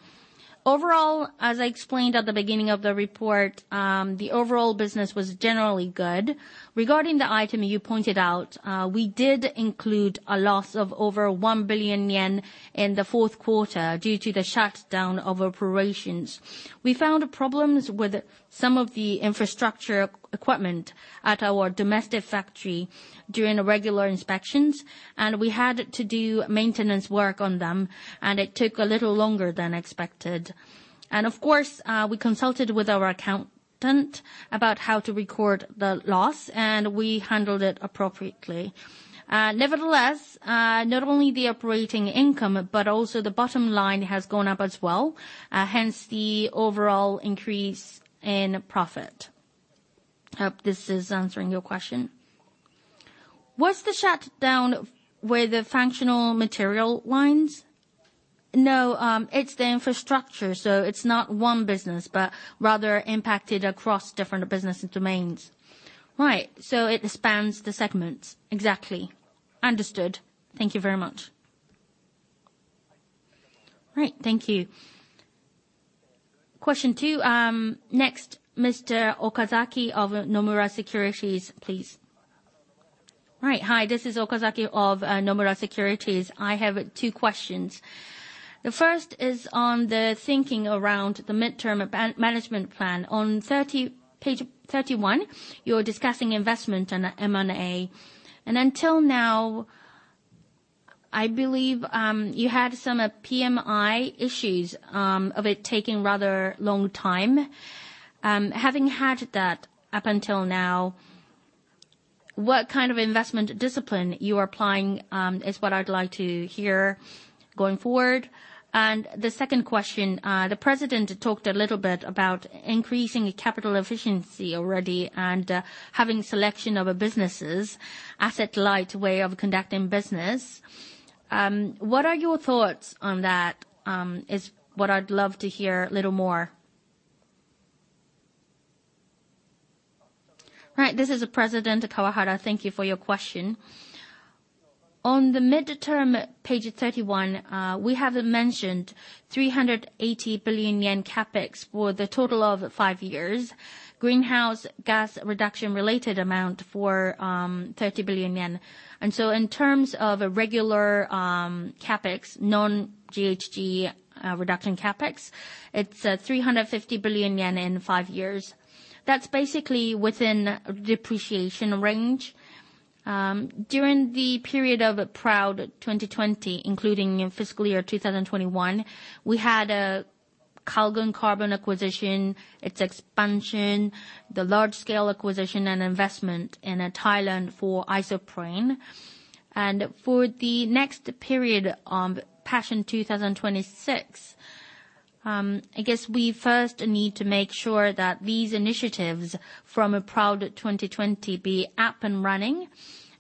Overall, as I explained at the beginning of the report, the overall business was generally good. Regarding the item you pointed out, we did include a loss of over 1 billion yen in Q4 due to the shutdown of operations. We found problems with some of the infrastructure equipment at our domestic factory during regular inspections, and we had to do maintenance work on them, and it took a little longer than expected. Of course, we consulted with our accountant about how to record the loss, and we handled it appropriately. Nevertheless, not only the operating income, but also the bottom line has gone up as well, hence the overall increase in profit. I hope this is answering your question. Was it the shutdown of the Functional Materials lines? No, it's the infrastructure, so it's not one business, but rather impacted across different business domains. Right. So it spans the segments? Exactly. Understood. Thank you very much. All right. Thank you. Question two. Next, Mr. Okazaki of Nomura Securities, please. All right. Hi, this is Okazaki of Nomura Securities. I have two questions. The first is on the thinking around the midterm management plan. On page 31, you're discussing investment and M&A. Until now, I believe, you had some PMI issues of it taking rather long time. Having had that up until now, what kind of investment discipline you are applying is what I'd like to hear going forward? The second question, the President talked a little bit about increasing capital efficiency already and, having selection of businesses, asset-light way of conducting business. What are your thoughts on that is what I'd love to hear a little more. Right. This is President Kawahara. Thank you for your question. On the midterm, page 31, we have mentioned 380 billion yen CapEx for the total of five years, greenhouse gas reduction related amount for 30 billion yen. In terms of a regular CapEx, non-GHG reduction CapEx, it's 350 billion yen in five years. That's basically within depreciation range. During the period of PROUD 2020, including in fiscal year 2021, we had a Calgon Carbon acquisition, its expansion, the large-scale acquisition and investment in Thailand for isoprene. For the next period, PASSION 2026, I guess we first need to make sure that these initiatives from PROUD 2020 be up and running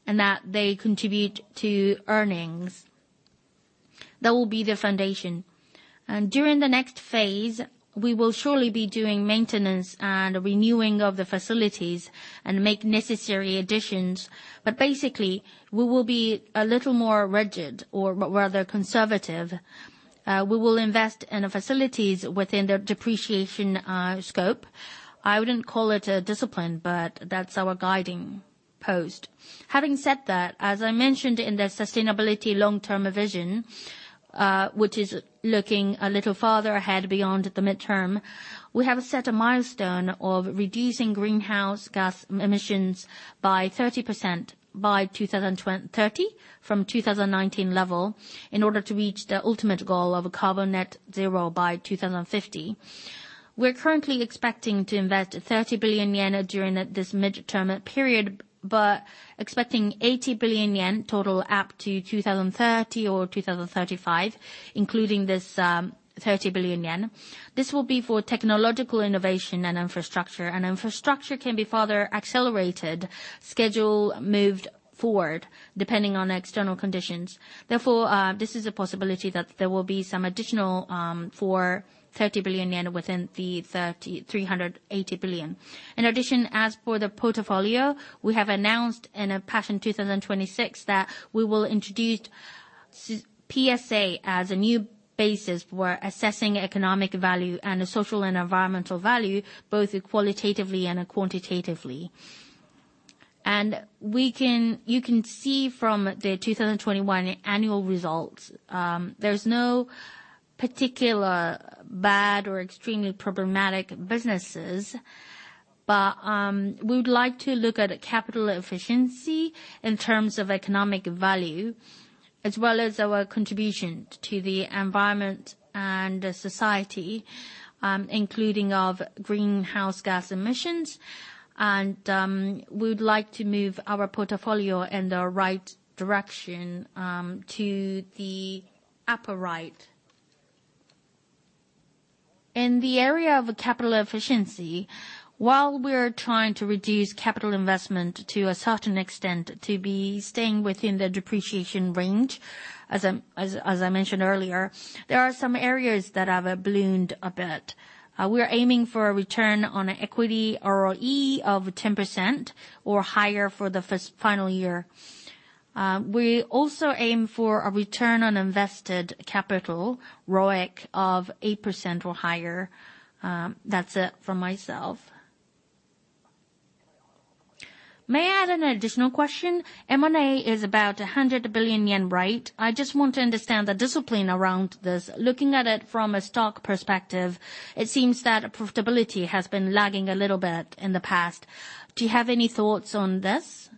and that they contribute to earnings. That will be the foundation. During the next phase, we will surely be doing maintenance and renewing of the facilities and make necessary additions. Basically, we will be a little more rigid or rather conservative. We will invest in facilities within the depreciation scope. I wouldn't call it a discipline, but that's our guiding post. Having said that, as I mentioned in the sustainability long-term vision, which is looking a little farther ahead beyond the midterm, we have set a milestone of reducing greenhouse gas emissions by 30% by 2030 from 2019 level in order to reach the ultimate goal of carbon net-zero by 2050. We're currently expecting to invest 30 billion yen during this midterm period, but expecting 80 billion yen total up to 2030 or 2035, including this 30 billion yen. This will be for technological innovation and infrastructure. Infrastructure can be further accelerated, schedule moved forward depending on external conditions. Therefore, this is a possibility that there will be some additional for 30 billion yen within the 380 billion. In addition, as for the portfolio, we have announced in PASSION 2026 that we will introduce PSA as a new basis for assessing economic value and social and environmental value, both qualitatively and quantitatively. You can see from the 2021 annual results, there's no particular bad or extremely problematic businesses. We would like to look at capital efficiency in terms of economic value as well as our contribution to the environment and society, including of greenhouse gas emissions. We would like to move our portfolio in the right direction, to the upper right. In the area of capital efficiency, while we are trying to reduce capital investment to a certain extent to be staying within the depreciation range, as I mentioned earlier, there are some areas that have boomed a bit. We are aiming for a return on equity, ROE, of 10% or higher for the first final year. We also aim for a return on invested capital, ROIC, of 8% or higher. That's it from myself. May I add an additional question? M&A is about 100 billion yen, right? I just want to understand the discipline around this. Looking at it from a stock perspective, it seems that profitability has been lagging a little bit in the past. Do you have any thoughts on this?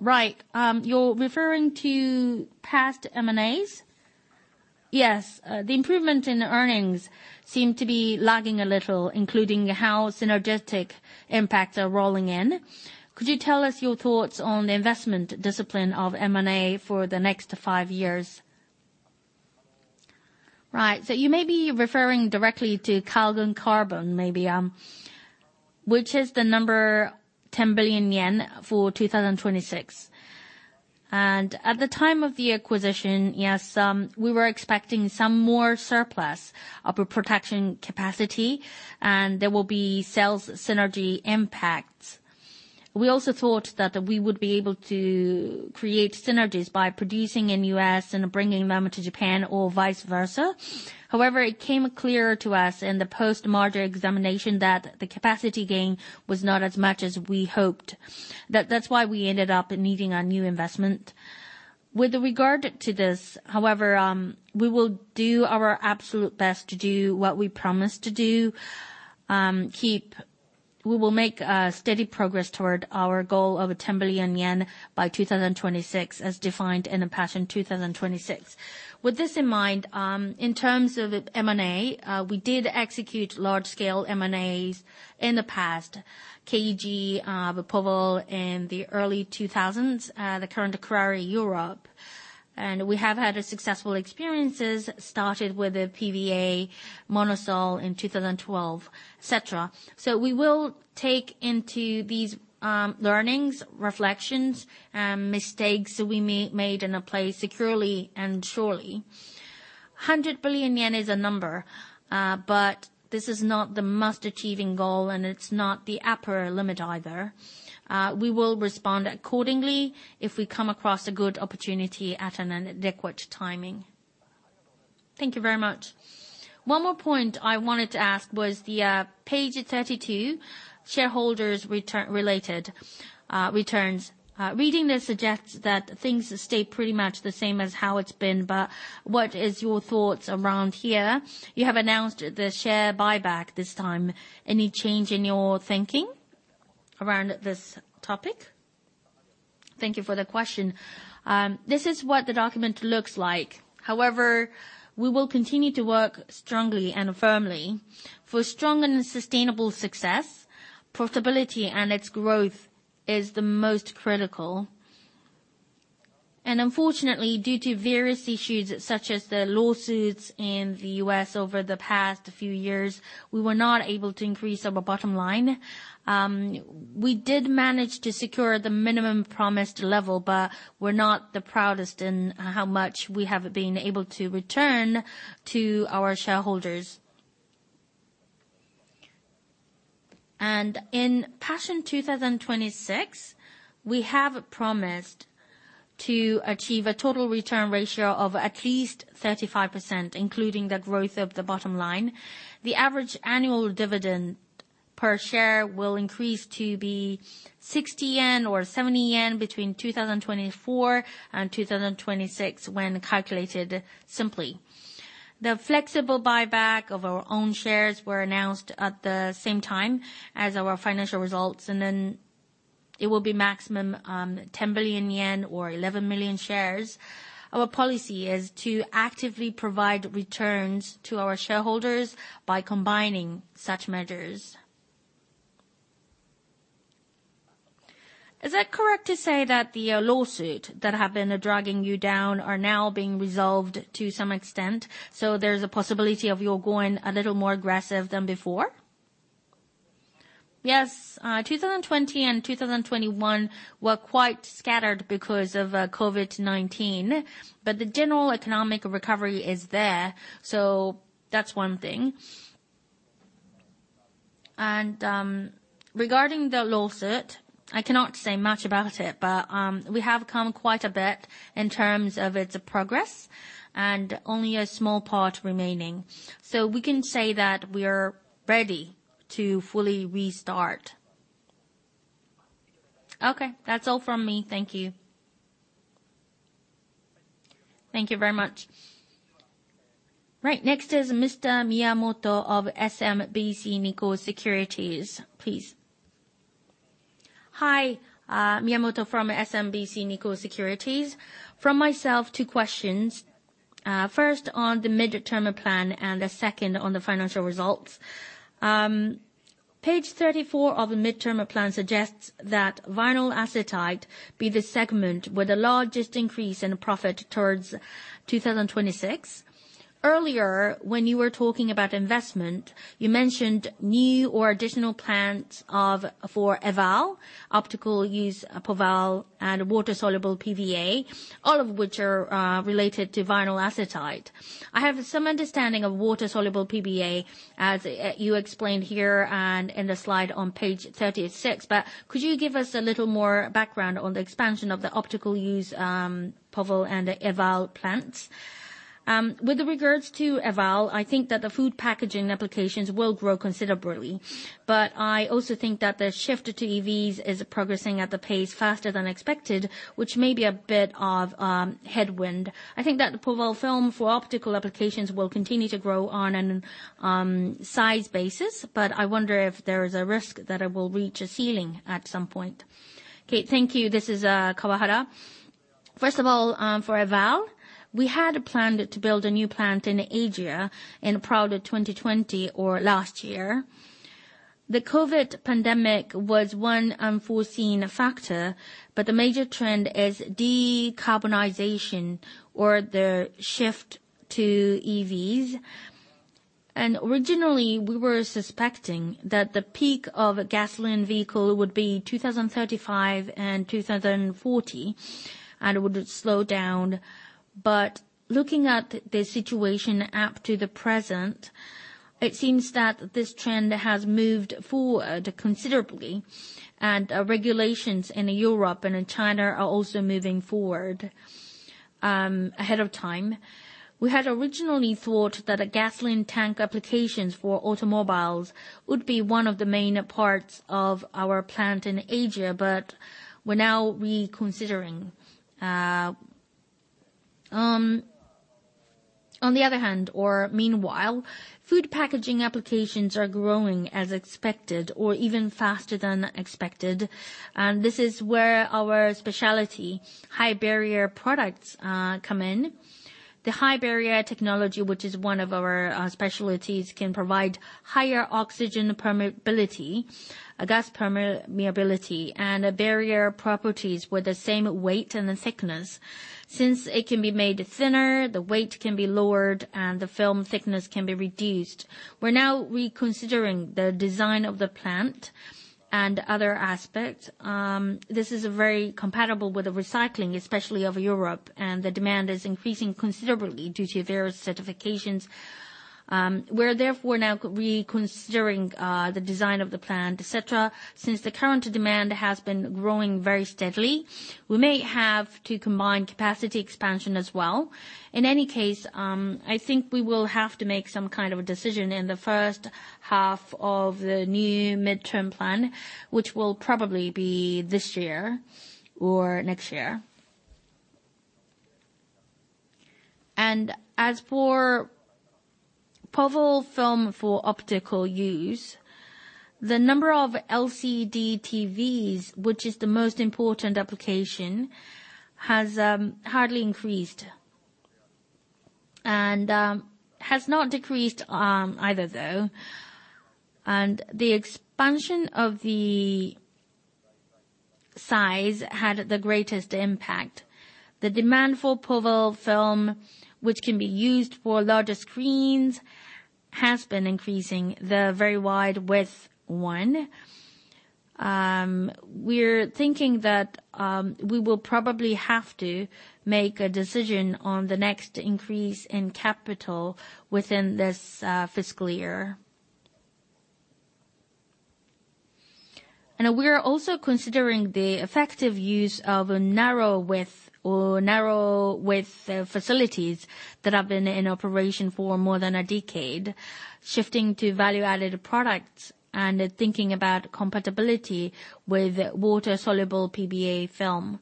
Right. You're referring to past M&As? Yes. The improvement in the earnings seem to be lagging a little, including how synergistic impacts are rolling in. Could you tell us your thoughts on the investment discipline of M&A for the next five years? Right. You may be referring directly to Calgon Carbon, maybe, which is 10 billion yen for 2026. At the time of the acquisition, yes, we were expecting some more surplus production capacity, and there will be sales synergy impacts. We also thought that we would be able to create synergies by producing in the U.S. and bringing them to Japan or vice versa. However, it became clear to us in the post-merger integration that the capacity gain was not as much as we hoped. That's why we ended up needing a new investment. With regard to this, however, we will do our absolute best to do what we promised to do. We will make steady progress toward our goal of 10 billion yen by 2026 as defined in PASSION 2026. With this in mind, in terms of M&A, we did execute large-scale M&As in the past. KG, POVAL in the early 2000s, the current Kuraray Europe. We have had successful experiences, started with the PVA, MonoSol in 2012, et cetera. We will take into these learnings, reflections, and mistakes we made in a place securely and surely. 100 billion yen is a number, but this is not the must achieving goal, and it's not the upper limit either. We will respond accordingly if we come across a good opportunity at an adequate timing. Thank you very much. One more point I wanted to ask was the page 32, shareholders return-related returns. Reading this suggests that things stay pretty much the same as how it's been, but what is your thoughts around here? You have announced the share buyback this time. Any change in your thinking around this topic? Thank you for the question. This is what the document looks like. However, we will continue to work strongly and firmly. For strong and sustainable success, profitability and its growth are the most critical. Unfortunately, due to various issues such as the lawsuits in the U.S. over the past few years, we were not able to increase our bottom line. We did manage to secure the minimum promised level, but we're not the proudest in how much we have been able to return to our shareholders. In PASSION 2026, we have promised to achieve a total return ratio of at least 35%, including the growth of the bottom line. The average annual dividend per share will increase to 60 yen or 70 yen between 2024 and 2026 when calculated simply. The flexible buyback of our own shares were announced at the same time as our financial results, and then it will be maximum 10 billion yen or 11 million shares. Our policy is to actively provide returns to our shareholders by combining such measures. Is that correct to say that the lawsuit that has been dragging you down is now being resolved to some extent, so there's a possibility of you going a little more aggressive than before? Yes. 2020 and 2021 were quite scattered because of COVID-19. The general economic recovery is there, so that's one thing. Regarding the lawsuit, I cannot say much about it, but we have come quite a bit in terms of its progress, and only a small part remains. We can say that we are ready to fully restart. Okay. That's all from me. Thank you. Thank you very much. Right. Next is Mr. Miyamoto of SMBC Nikko Securities, please. Hi. Miyamoto from SMBC Nikko Securities. From myself, two questions. First on the mid-term plan and the second on the financial results. Page 34 of the mid-term plan suggests that Vinyl Acetate be the segment with the largest increase in profit towards 2026. Earlier, when you were talking about investment, you mentioned new or additional plants for EVAL, optical use POVAL, and water-soluble PVA, all of which are related to Vinyl Acetate. I have some understanding of water-soluble PVA as you explained here and in the slide on page 36. Could you give us a little more background on the expansion of the optical use, POVAL, and the EVAL plants? With regards to EVAL, I think that the food packaging applications will grow considerably, but I also think that the shift to EVs is progressing at a pace faster than expected, which may be a bit of headwind. I think that the POVAL film for optical applications will continue to grow on a size basis, but I wonder if there is a risk that it will reach a ceiling at some point. Okay, thank you. This is Kawahara. First of all, for EVAL, we had planned to build a new plant in Asia in prior 2020 or last year. The COVID pandemic was one unforeseen factor, but the major trend is decarbonization or the shift to EVs. Originally, we were suspecting that the peak of a gasoline vehicle would be 2035 or 2040, and it would slow down. Looking at the situation up to the present, it seems that this trend has moved forward considerably, and regulations in Europe and in China are also moving forward ahead of time. We had originally thought that gasoline tank applications for automobiles would be one of the main parts of our plant in Asia, but we're now reconsidering. On the other hand, meanwhile, food packaging applications are growing as expected or even faster than expected. This is where our specialty high-barrier products come in. The high barrier technology, which is one of our specialties, can provide higher oxygen permeability, gas permeability, and barrier properties with the same weight and thickness. Since it can be made thinner, the weight can be lowered, and the film thickness can be reduced. We're now reconsidering the design of the plant and other aspects. This is very compatible with the recycling, especially in Europe, and the demand is increasing considerably due to their certifications. We're therefore now reconsidering the design of the plant, et cetera. Since the current demand has been growing very steadily, we may have to combine capacity expansion as well. In any case, I think we will have to make some kind of a decision in the first half of the new midterm plan, which will probably be this year or next year. As for POVAL film for optical use, the number of LCD TVs, which is the most important application, has hardly increased and has not decreased either, though. The expansion of the size had the greatest impact. The demand for POVAL film, which can be used for larger screens, has been increasing. The very wide one. We're thinking that we will probably have to make a decision on the next increase in capital within this fiscal year. We are also considering the effective use of narrow-width facilities that have been in operation for more than a decade, shifting to value-added products, and thinking about compatibility with water-soluble PVA film.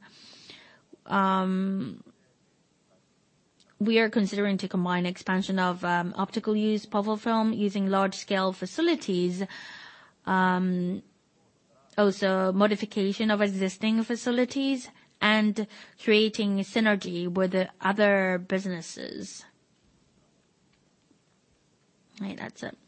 We are considering to combine expansion of optical use POVAL film using large-scale facilities. Also modification of existing facilities and creating synergy with other businesses. All right, that's it.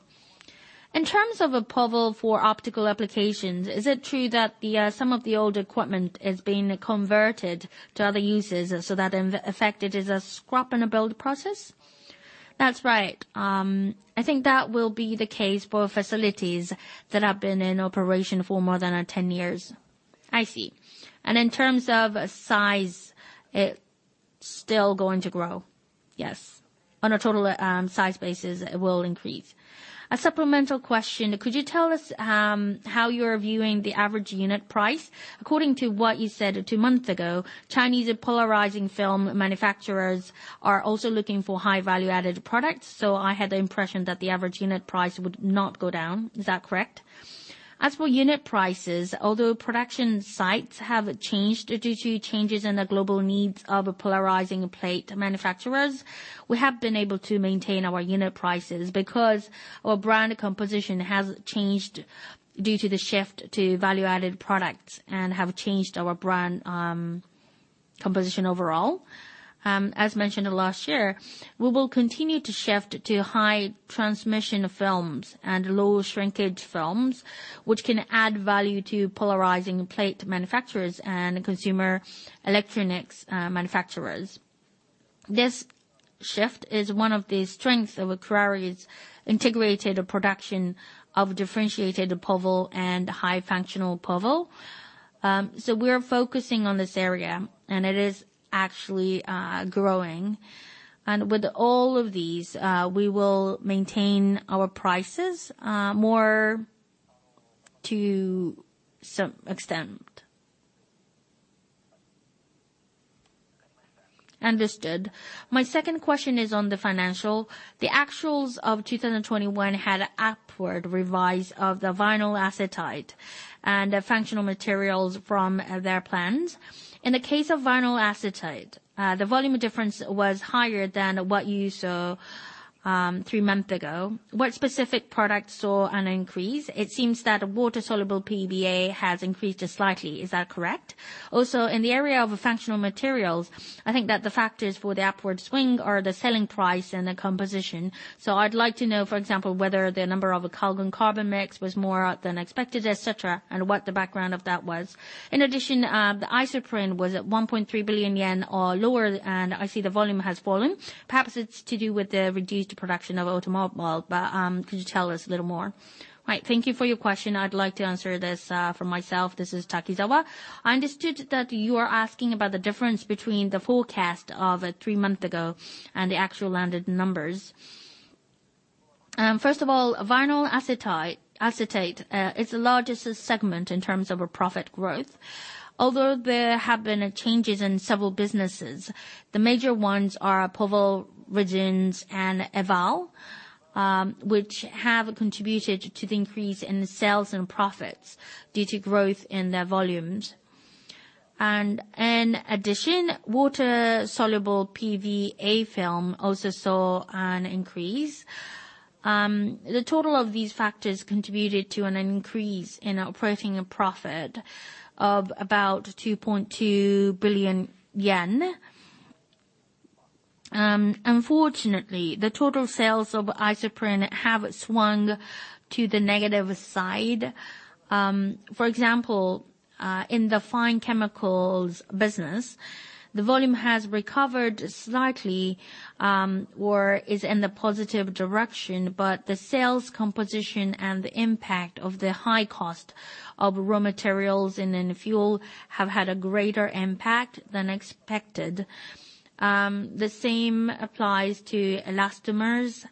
In terms of POVAL for optical applications, is it true that some of the old equipment is being converted to other uses, so that in effect it is a scrap and build process? That's right. I think that will be the case for facilities that have been in operation for more than 10 years. I see. In terms of size, it still going to grow? Yes. On a total size basis, it will increase. A supplemental question. Could you tell us how you're viewing the average unit price? According to what you said 2 months ago, Chinese polarizing film manufacturers are also looking for high value-added products. I had the impression that the average unit price would not go down. Is that correct? As for unit prices, although production sites have changed due to changes in the global needs of polarizing plate manufacturers, we have been able to maintain our unit prices because our brand composition has changed due to the shift to value-added products and have changed our brand composition overall. As mentioned last year, we will continue to shift to high transmission films and low shrinkage films, which can add value to polarizing plate manufacturers and consumer electronics manufacturers. This shift is one of the strengths of Kuraray's integrated production of differentiated POVAL and high functional POVAL. We're focusing on this area, and it is actually growing. With all of these, we will maintain our prices more to some extent. Understood. My second question is on the financial. The actuals of 2021 had an upward revision of the Vinyl Acetate and Functional Materials from their plans. In the case of Vinyl Acetate, the volume difference was higher than what you saw three months ago. What specific products saw an increase? It seems that water-soluble PVA has increased slightly. Is that correct? Also, in the area of Functional Materials, I think that the factors for the upward swing are the selling price and the composition. I'd like to know, for example, whether the number of activated carbon mix was more than expected, et cetera, and what the background of that was. In addition, the Isoprene was at 1.3 billion yen or lower, and I see the volume has fallen. Perhaps it's to do with the reduced production of automobiles, but could you tell us a little more? Right. Thank you for your question. I'd like to answer this for myself. This is Takizawa. I understood that you are asking about the difference between the forecast of three months ago and the actual landed numbers. First of all, Vinyl Acetate is the largest segment in terms of profit growth. Although there have been changes in several businesses, the major ones are POVAL, resins, and EVAL, which have contributed to the increase in sales and profits due to growth in their volumes. In addition, water-soluble PVA film also saw an increase. The total of these factors contributed to an increase in operating profit of about JPY 2.2 billion. Unfortunately, the total sales of Isoprene have swung to the negative side. For example, in the fine chemicals business, the volume has recovered slightly, or is in the positive direction, but the sales composition and the impact of the high cost of raw materials and then fuel have had a greater impact than expected. The same applies to elastomers.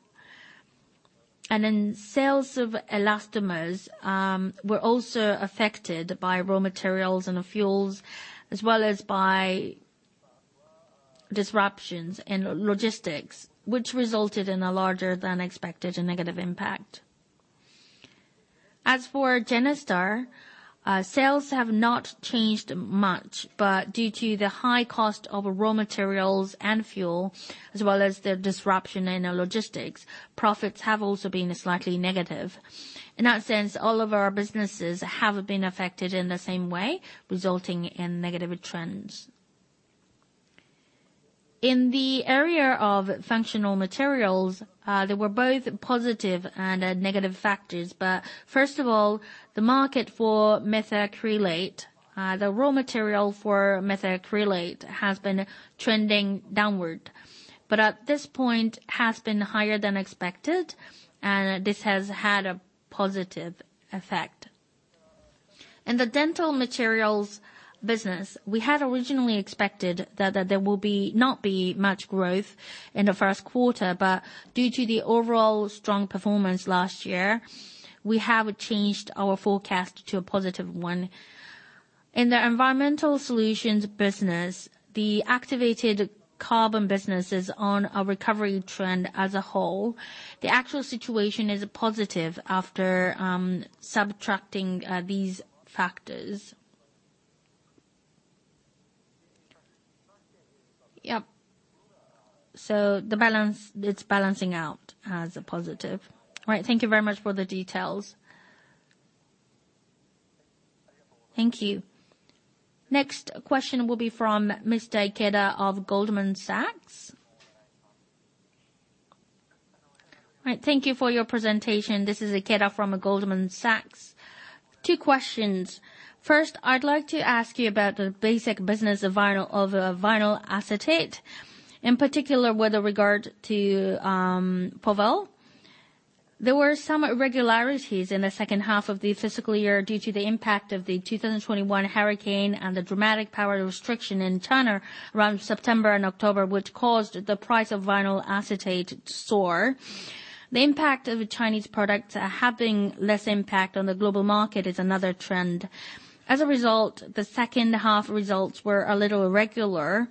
Sales of elastomers were also affected by raw materials and fuels, as well as by disruptions in logistics, which resulted in a larger than expected negative impact. As for GENESTAR, sales have not changed much, but due to the high cost of raw materials and fuel, as well as the disruption in our logistics, profits have also been slightly negative. In that sense, all of our businesses have been affected in the same way, resulting in negative trends. In the area of Functional Materials, there were both positive and negative factors. First of all, the market for methacrylate, the raw material for methacrylate has been trending downward. At this point, has been higher than expected, and this has had a positive effect. In the dental materials business, we had originally expected that there will not be much growth in the first quarter, but due to the overall strong performance last year, we have changed our forecast to a positive one. In the environmental solutions business, the activated carbon business is on a recovery trend as a whole. The actual situation is positive after subtracting these factors. Yep. The balance is balancing out as a positive. All right. Thank you very much for the details. Thank you. Next question will be from Mr. Ikeda of Goldman Sachs. All right. Thank you for your presentation. This is Ikeda from Goldman Sachs. Two questions. First, I'd like to ask you about the basic business of Vinyl Acetate, in particular with regard to POVAL. There were some irregularities in the second half of the fiscal year due to the impact of the 2021 hurricane and the dramatic power restriction in China around September and October, which caused the price of Vinyl Acetate to soar. The impact of Chinese products having less impact on the global market is another trend. As a result, the second half results were a little irregular.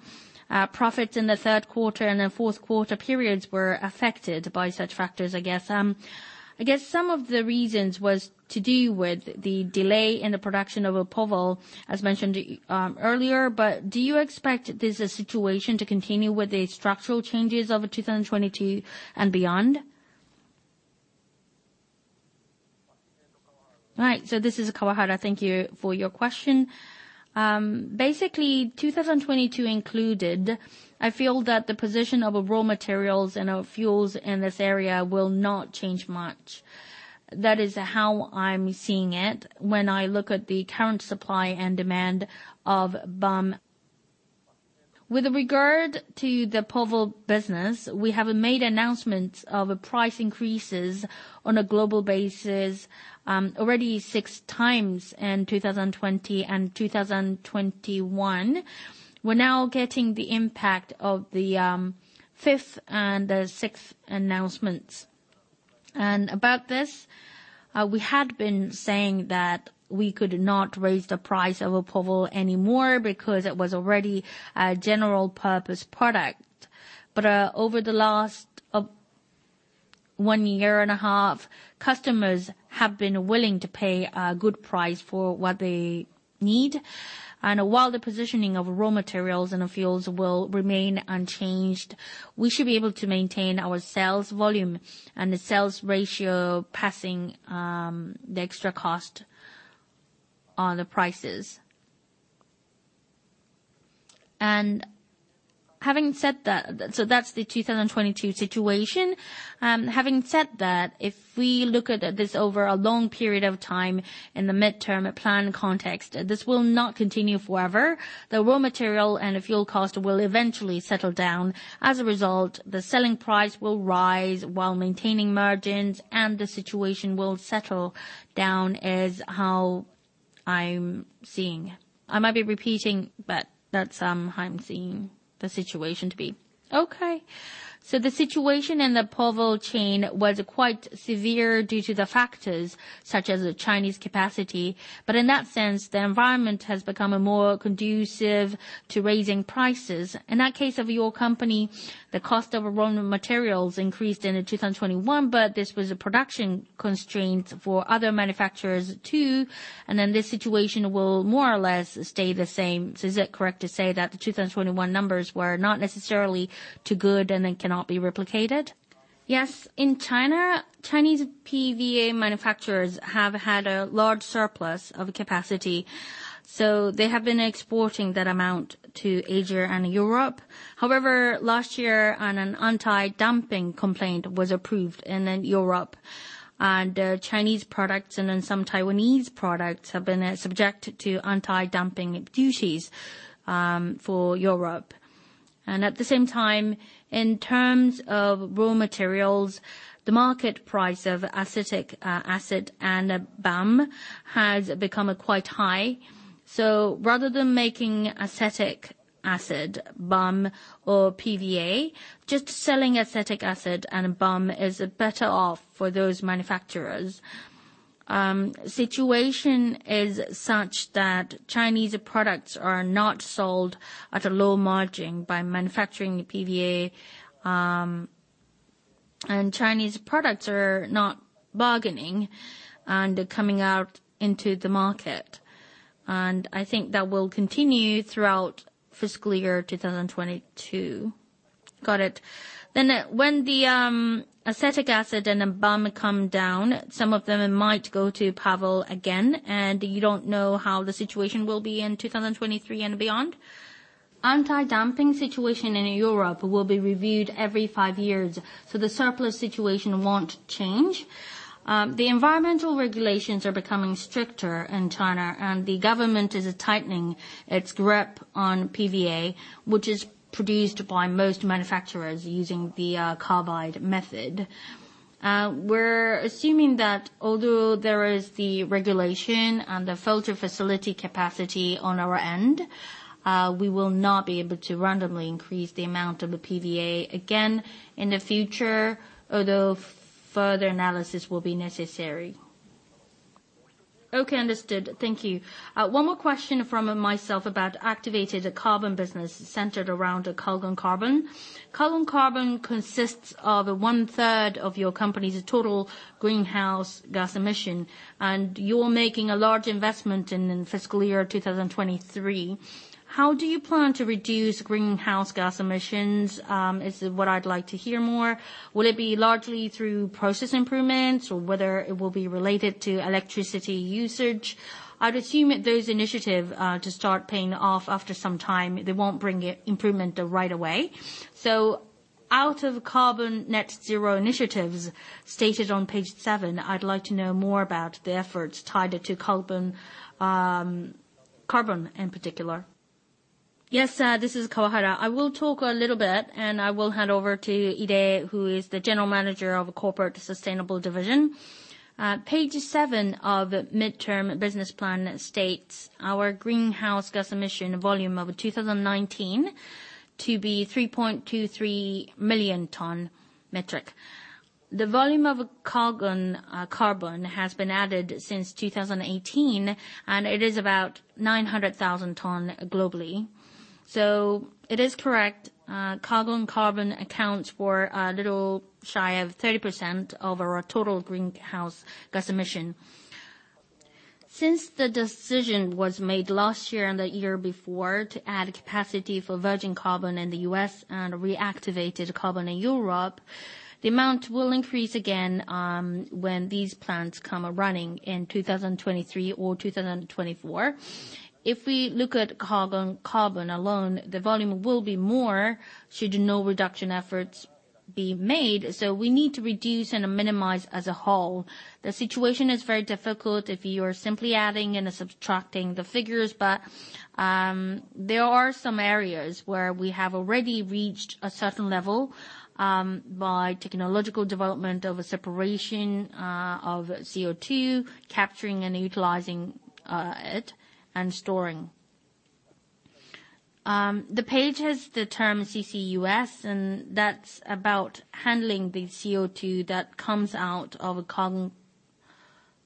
Profits in Q3 and Q4 periods were affected by such factors, I guess. I guess some of the reasons was to do with the delay in the production of POVAL, as mentioned earlier. Do you expect this situation to continue with the structural changes of 2022 and beyond? All right. This is Kawahara. Thank you for your question. Basically, 2022 included, I feel that the position of raw materials and our fuels in this area will not change much. That is how I'm seeing it when I look at the current supply and demand of VAM. With regard to the POVAL business, we have made announcements of price increases on a global basis, already six times in 2020 and 2021. We're now getting the impact of the fifth and the sixth announcements. About this, we had been saying that we could not raise the price of POVAL anymore because it was already a general purpose product. Over the last one year and a half, customers have been willing to pay a good price for what they need, and while the positioning of raw materials and fuels will remain unchanged, we should be able to maintain our sales volume and the sales ratio passing, the extra cost on the prices. Having said that's the 2022 situation. Having said that, if we look at this over a long period of time in the midterm plan context, this will not continue forever. The raw material and the fuel cost will eventually settle down. As a result, the selling price will rise while maintaining margins and the situation will settle down, is how I'm seeing. I might be repeating, but that's how I'm seeing the situation to be. Okay. The situation in the POVAL chain was quite severe due to the factors such as the Chinese capacity. In that sense, the environment has become more conducive to raising prices. In that case of your company, the cost of raw materials increased in 2021, but this was a production constraint for other manufacturers too, and then this situation will more or less stay the same. Is it correct to say that the 2021 numbers were not necessarily too good and then cannot be replicated? Yes. In China, Chinese PVA manufacturers have had a large surplus of capacity, so they have been exporting that amount to Asia and Europe. However, last year, an anti-dumping complaint was approved in Europe, and Chinese products, and then some Taiwanese products have been subject to anti-dumping duties for Europe. At the same time, in terms of raw materials, the market price of acetic acid and VAM has become quite high. So rather than making acetic acid, VAM, or PVA, just selling acetic acid and VAM is better off for those manufacturers. Situation is such that Chinese products are not sold at a low margin by manufacturing PVA, and Chinese products are not bargaining and coming out into the market. I think that will continue throughout fiscal year 2022. Got it. When the acetic acid and the VAM come down, some of them might go to POVAL again, and you don't know how the situation will be in 2023 and beyond? Anti-dumping situation in Europe will be reviewed every five years, so the surplus situation won't change. The environmental regulations are becoming stricter in China, and the government is tightening its grip on PVA, which is produced by most manufacturers using the carbide method. We're assuming that although there is the regulation and the filter facility capacity on our end, we will not be able to randomly increase the amount of the PVA again in the future, although further analysis will be necessary. Okay, understood. Thank you. One more question from myself about activated carbon business centered around the Calgon Carbon. Calgon Carbon consists of 1/3 of your company's total greenhouse gas emissions, and you're making a large investment in fiscal year 2023. How do you plan to reduce greenhouse gas emissions? Is what I'd like to hear more. Will it be largely through process improvements or whether it will be related to electricity usage? I'd assume those initiative to start paying off after some time. They won't bring improvement right away. Out of carbon net zero initiatives stated on page seven, I'd like to know more about the efforts tied to Calgon Carbon in particular. Yes, this is Kawahara. I will talk a little bit, and I will hand over to Ide, who is the General Manager of Corporate Sustainability Division. Page seven of midterm business plan states our greenhouse gas emission volume of 2019 to be 3.23 million metric tons. The volume of Calgon Carbon has been added since 2018, and it is about 900,000 tons globally. It is correct, Calgon Carbon accounts for a little shy of 30% of our total greenhouse gas emission. Since the decision was made last year and the year before to add capacity for virgin carbon in the U.S. and reactivated carbon in Europe, the amount will increase again, when these plants come online in 2023 or 2024. If we look at Calgon Carbon alone, the volume will be more should no reduction efforts are made, so we need to reduce and minimize as a whole. The situation is very difficult if you're simply adding and subtracting the figures, but, there are some areas where we have already reached a certain level, by technological development of separation, of CO2, capturing and utilizing it, and storing. The page has the term CCUS, and that's about handling the CO2 that comes out of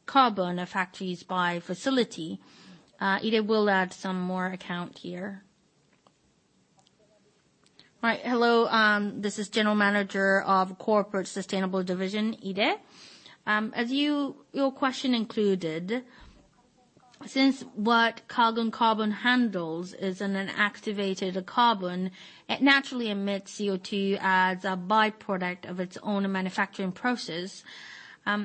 carbon factories by facility. Ide will add some more account here. Right. Hello, this is General Manager of Corporate Sustainability Division, Ide. Your question included, since what Calgon Carbon handles is an activated carbon, it naturally emits CO2 as a byproduct of its own manufacturing process.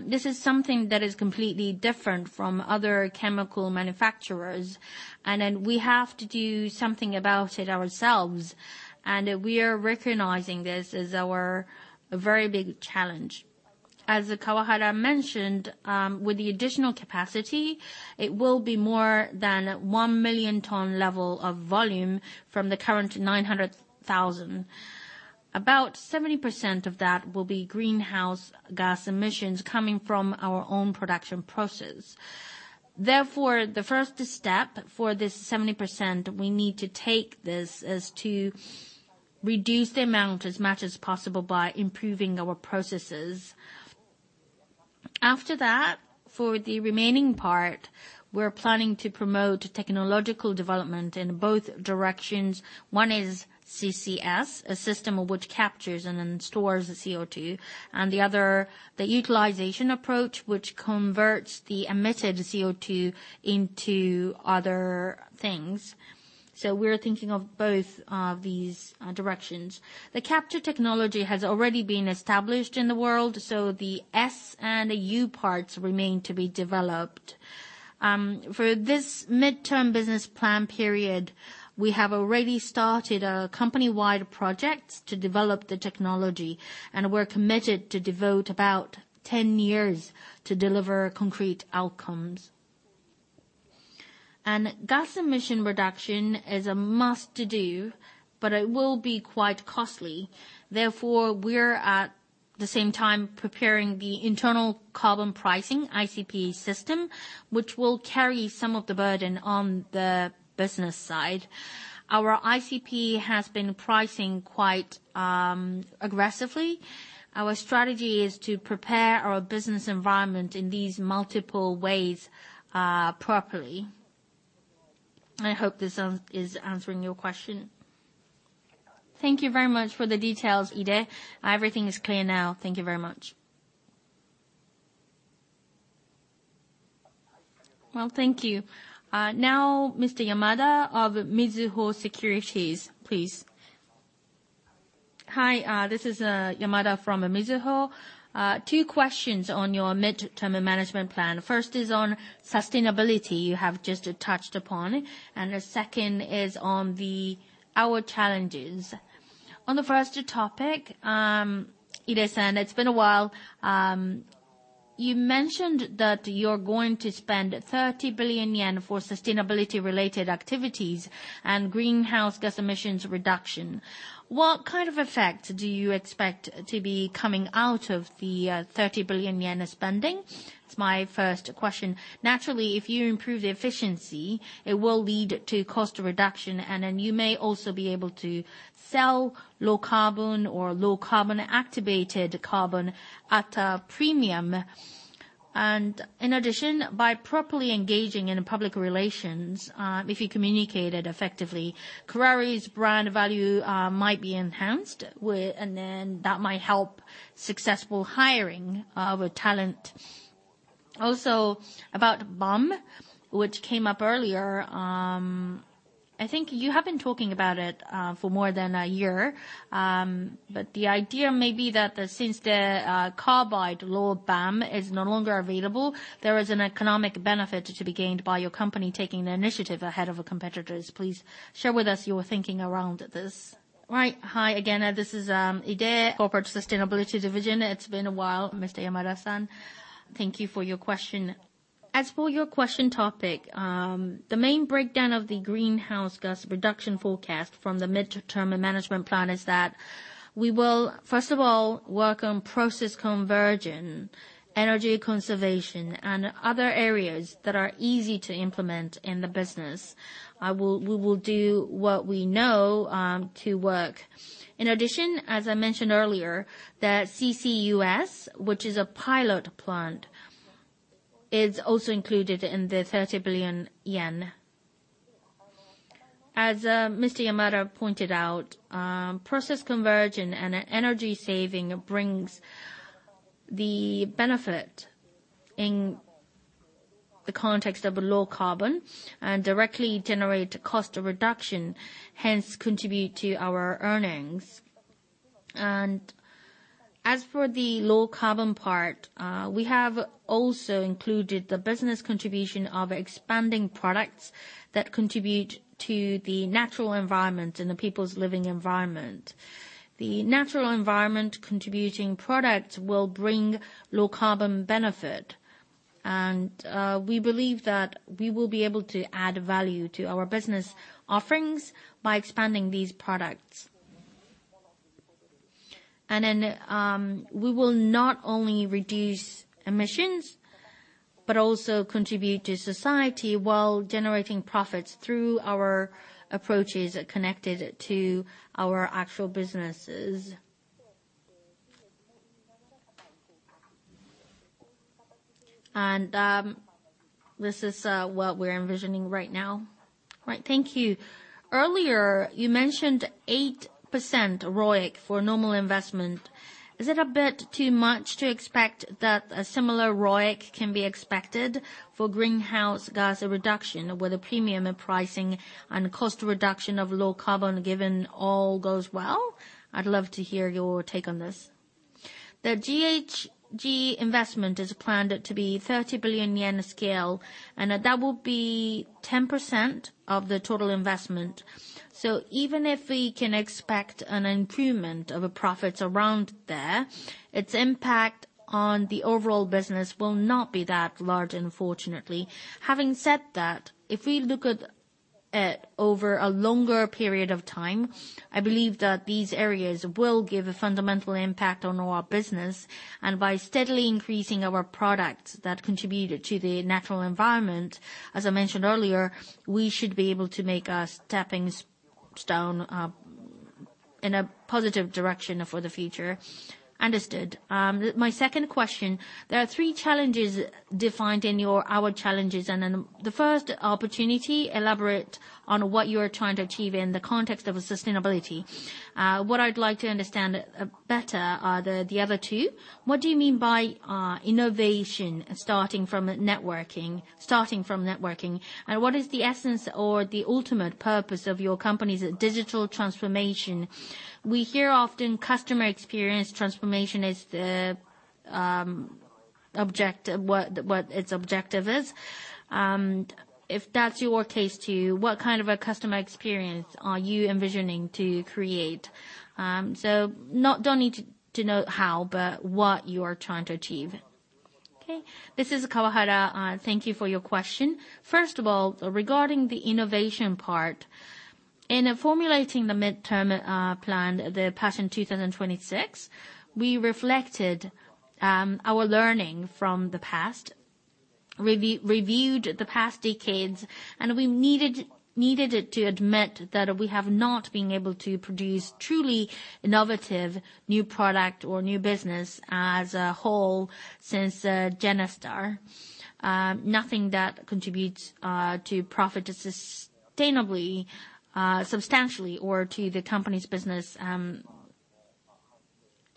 This is something that is completely different from other chemical manufacturers, and then we have to do something about it ourselves, and we are recognizing this as our very big challenge. As Kawahara mentioned, with the additional capacity, it will be more than 1 million ton level of volume from the current 900,000. About 70% of that will be greenhouse gas emissions coming from our own production process. Therefore, the first step for this 70%, we need to take this, is to reduce the amount as much as possible by improving our processes. After that, for the remaining part, we're planning to promote technological development in both directions. One is CCS, a system which captures and then stores the CO2. The other, the utilization approach, which converts the emitted CO2 into other things. We're thinking of both these directions. The capture technology has already been established in the world, so the S and the U parts remain to be developed. For this midterm business plan period, we have already started a company-wide project to develop the technology, and we're committed to devote about 10 years to deliver concrete outcomes. Gas emission reduction is a must-do, but it will be quite costly. Therefore, we're at the same time preparing the internal carbon pricing, ICP system, which will carry some of the burden on the business side. Our ICP has been pricing quite aggressively. Our strategy is to prepare our business environment in these multiple ways, properly. I hope this is answering your question. Thank you very much for the details, Ide. Everything is clear now. Thank you very much. Well, thank you. Now Mr. Yamada of Mizuho Securities, please. Hi, this is Yamada from Mizuho. Two questions on your medium-term management plan. First is on sustainability you have just touched upon, and the second is on our challenges. On the first topic, Ide-san, it's been a while. You mentioned that you're going to spend 30 billion yen for sustainability-related activities and greenhouse gas emissions reduction. What kind of effect do you expect to be coming out of the 30 billion yen spending? It's my first question. Naturally, if you improve the efficiency, it will lead to cost reduction, and then you may also be able to sell low carbon or low carbon activated carbon at a premium. In addition, by properly engaging in public relations, if you communicate it effectively, Kuraray's brand value might be enhanced. Then that might help successful hiring of talent. Also, about PVA, which came up earlier, I think you have been talking about it for more than a year. But the idea may be that since the carbide raw VAM is no longer available, there is an economic benefit to be gained by your company taking the initiative ahead of competitors. Please share with us your thinking around this. Right. Hi again, this is Ide, Corporate Sustainability Division. It's been a while, Mr. Yamada-san. Thank you for your question. As for your question topic, the main breakdown of the greenhouse gas reduction forecast from the midterm management plan is that we will, first of all, work on process conversion, energy conservation, and other areas that are easy to implement in the business. We'll do what we know to work. In addition, as I mentioned earlier, the CCUS, which is a pilot plant, is also included in the 30 billion yen. As Mr. Yamada pointed out, process conversion and energy saving brings the benefit in the context of low carbon and directly generate cost reduction, hence contribute to our earnings. As for the low-carbon part, we have also included the business contribution of expanding products that contribute to the natural environment and the people's living environment. The natural environment contributing products will bring a low-carbon benefit. We believe that we will be able to add value to our business offerings by expanding these products. We will not only reduce emissions, but also contribute to society while generating profits through our approaches connected to our actual businesses. This is what we're envisioning right now. Right. Thank you. Earlier, you mentioned 8% ROIC for a normal investment. Is it a bit too much to expect that a similar ROIC can be expected for greenhouse gas reduction with a premium pricing and cost reduction of low carbon, given all goes well? I'd love to hear your take on this. The GHG investment is planned to be 30 billion yen scale, and that will be 10% of the total investment. Even if we can expect an improvement of profits around there, its impact on the overall business will not be that large, unfortunately. Having said that, if we look at over a longer period of time, I believe that these areas will give a fundamental impact on our business. By steadily increasing our products that contribute to the natural environment, as I mentioned earlier, we should be able to make a stepping stone in a positive direction for the future. Understood. My second question. There are three challenges defined in your our challenges, and then the first opportunity, elaborate on what you are trying to achieve in the context of sustainability. What I'd like to understand better are the other two. What do you mean by innovation starting from networking? What is the essence or the ultimate purpose of your company's digital transformation? We hear often customer experience transformation is the objective. What its objective is. If that's your case too, what kind of customer experience are you envisioning to create? Don't need to denote how, but what you are trying to achieve. Okay. This is Kawahara. Thank you for your question. First of all, regarding the innovation part. In formulating the medium-term plan, PASSION 2026, we reflected on our learning from the past. Reviewed the past decades, and we needed to admit that we have not been able to produce truly innovative new products or new businesses as a whole since GENESTAR. Nothing that contributes to profit sustainably, substantially, or to the company's business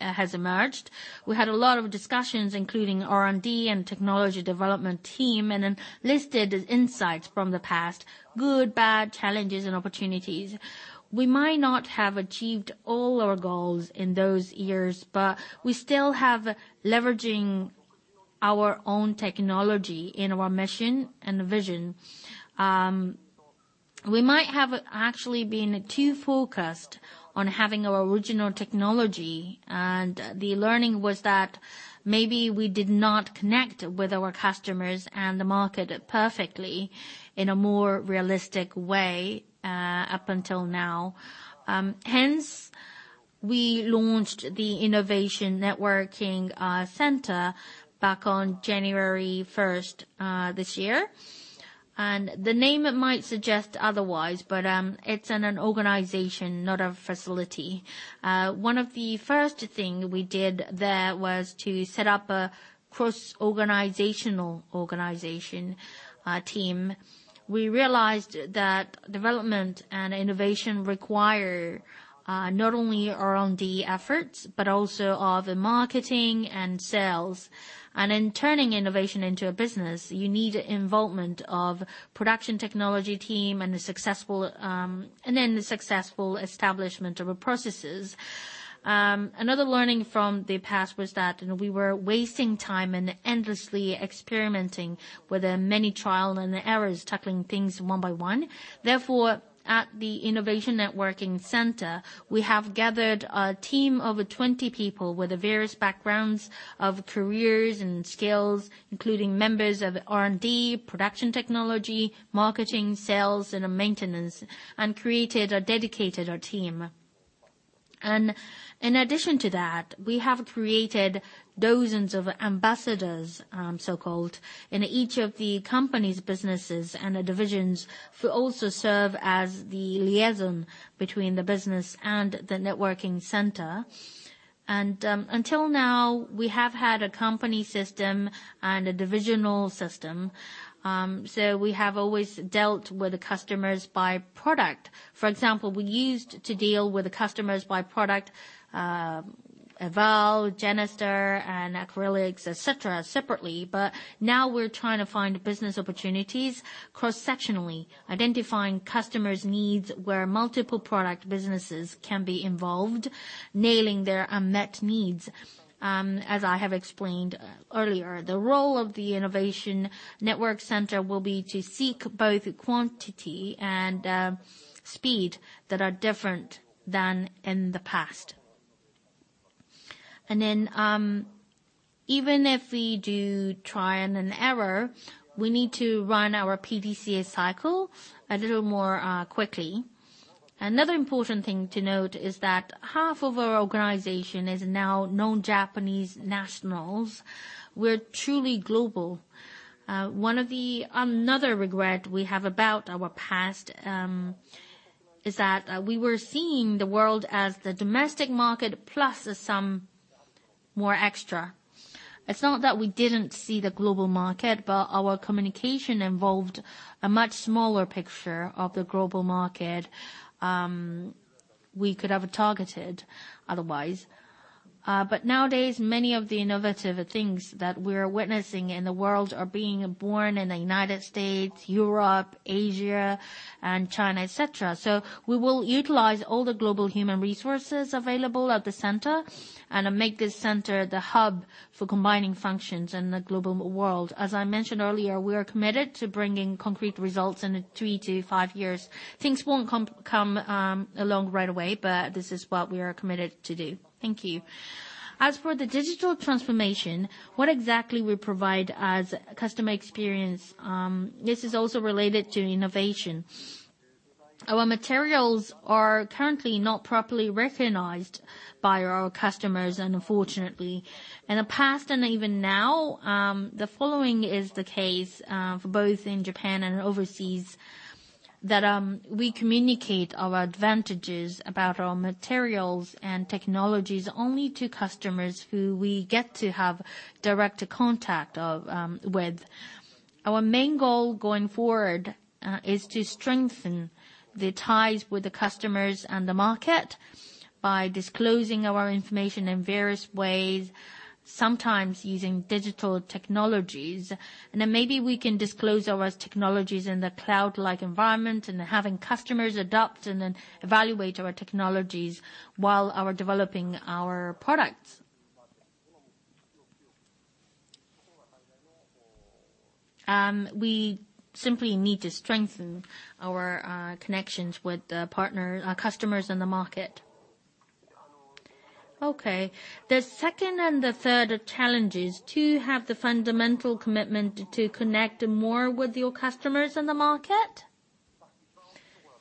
has emerged. We had a lot of discussions, including R&D and technology development team, and then listed insights from the past, good, bad, challenges and opportunities. We might not have achieved all our goals in those years, but we still have leveraging our own technology in our mission and vision. We might have actually been too focused on having our original technology, and the learning was that maybe we did not connect with our customers and the market perfectly in a more realistic way, up until now. Hence, we launched the Innovation Networking Center back on January 1st this year. The name might suggest otherwise, but it's an organization, not a facility. One of the first things we did there was to set up a cross-organizational team. We realized that development and innovation require not only R&D efforts, but also of marketing and sales. In turning innovation into a business, you need involvement of production technology team and the successful establishment of processes. Another learning from the past was that we were wasting time and endlessly experimenting with the many trials and errors, tackling things one by one. Therefore, at the Innovation Networking Center, we have gathered a team of 20 people with various backgrounds of careers and skills, including members of R&D, production technology, marketing, sales, and maintenance, and created a dedicated team. In addition to that, we have created dozens of ambassadors, so-called, in each of the company's businesses and divisions, who also serve as the liaison between the business and the networking center. Until now, we have had a company system and a divisional system. We have always dealt with the customers by product. For example, we used to deal with the customers by product, EVAL, GENESTAR, and Acrylics, et cetera, separately. Now we're trying to find business opportunities cross-sectionally, identifying customers' needs where multiple product businesses can be involved, nailing their unmet needs. As I have explained earlier, the role of the Innovation Networking Center will be to seek both quantity and speed that are different than in the past. Even if we do trial and error, we need to run our PDCA cycle a little more quickly. Another important thing to note is that half of our organization is now non-Japanese nationals. We're truly global. One of another regret we have about our past is that we were seeing the world as the domestic market plus some more. It's not that we didn't see the global market, but our communication involved a much smaller picture of the global market we could have targeted otherwise. Nowadays, many of the innovative things that we're witnessing in the world are being born in the United States, Europe, Asia, and China, et cetera. We will utilize all the global human resources available at the center and make this center the hub for combining functions in the global world. As I mentioned earlier, we are committed to bringing concrete results in three-five years. Things won't come along right away, but this is what we are committed to do. Thank you. As for the digital transformation, what exactly we provide as customer experience, this is also related to innovation. Our materials are currently not properly recognized by our customers, unfortunately. In the past and even now, the following is the case, for both in Japan and overseas, that we communicate our advantages about our materials and technologies only to customers who we get to have direct contact with. Our main goal going forward is to strengthen the ties with the customers and the market by disclosing our information in various ways, sometimes using digital technologies. Maybe we can disclose our technologies in a cloud-like environment, and having customers adopt and then evaluate our technologies while we're developing our products. We simply need to strengthen our connections with partners, our customers in the market. Okay. The second and the third challenges, do you have the fundamental commitment to connect more with your customers in the market?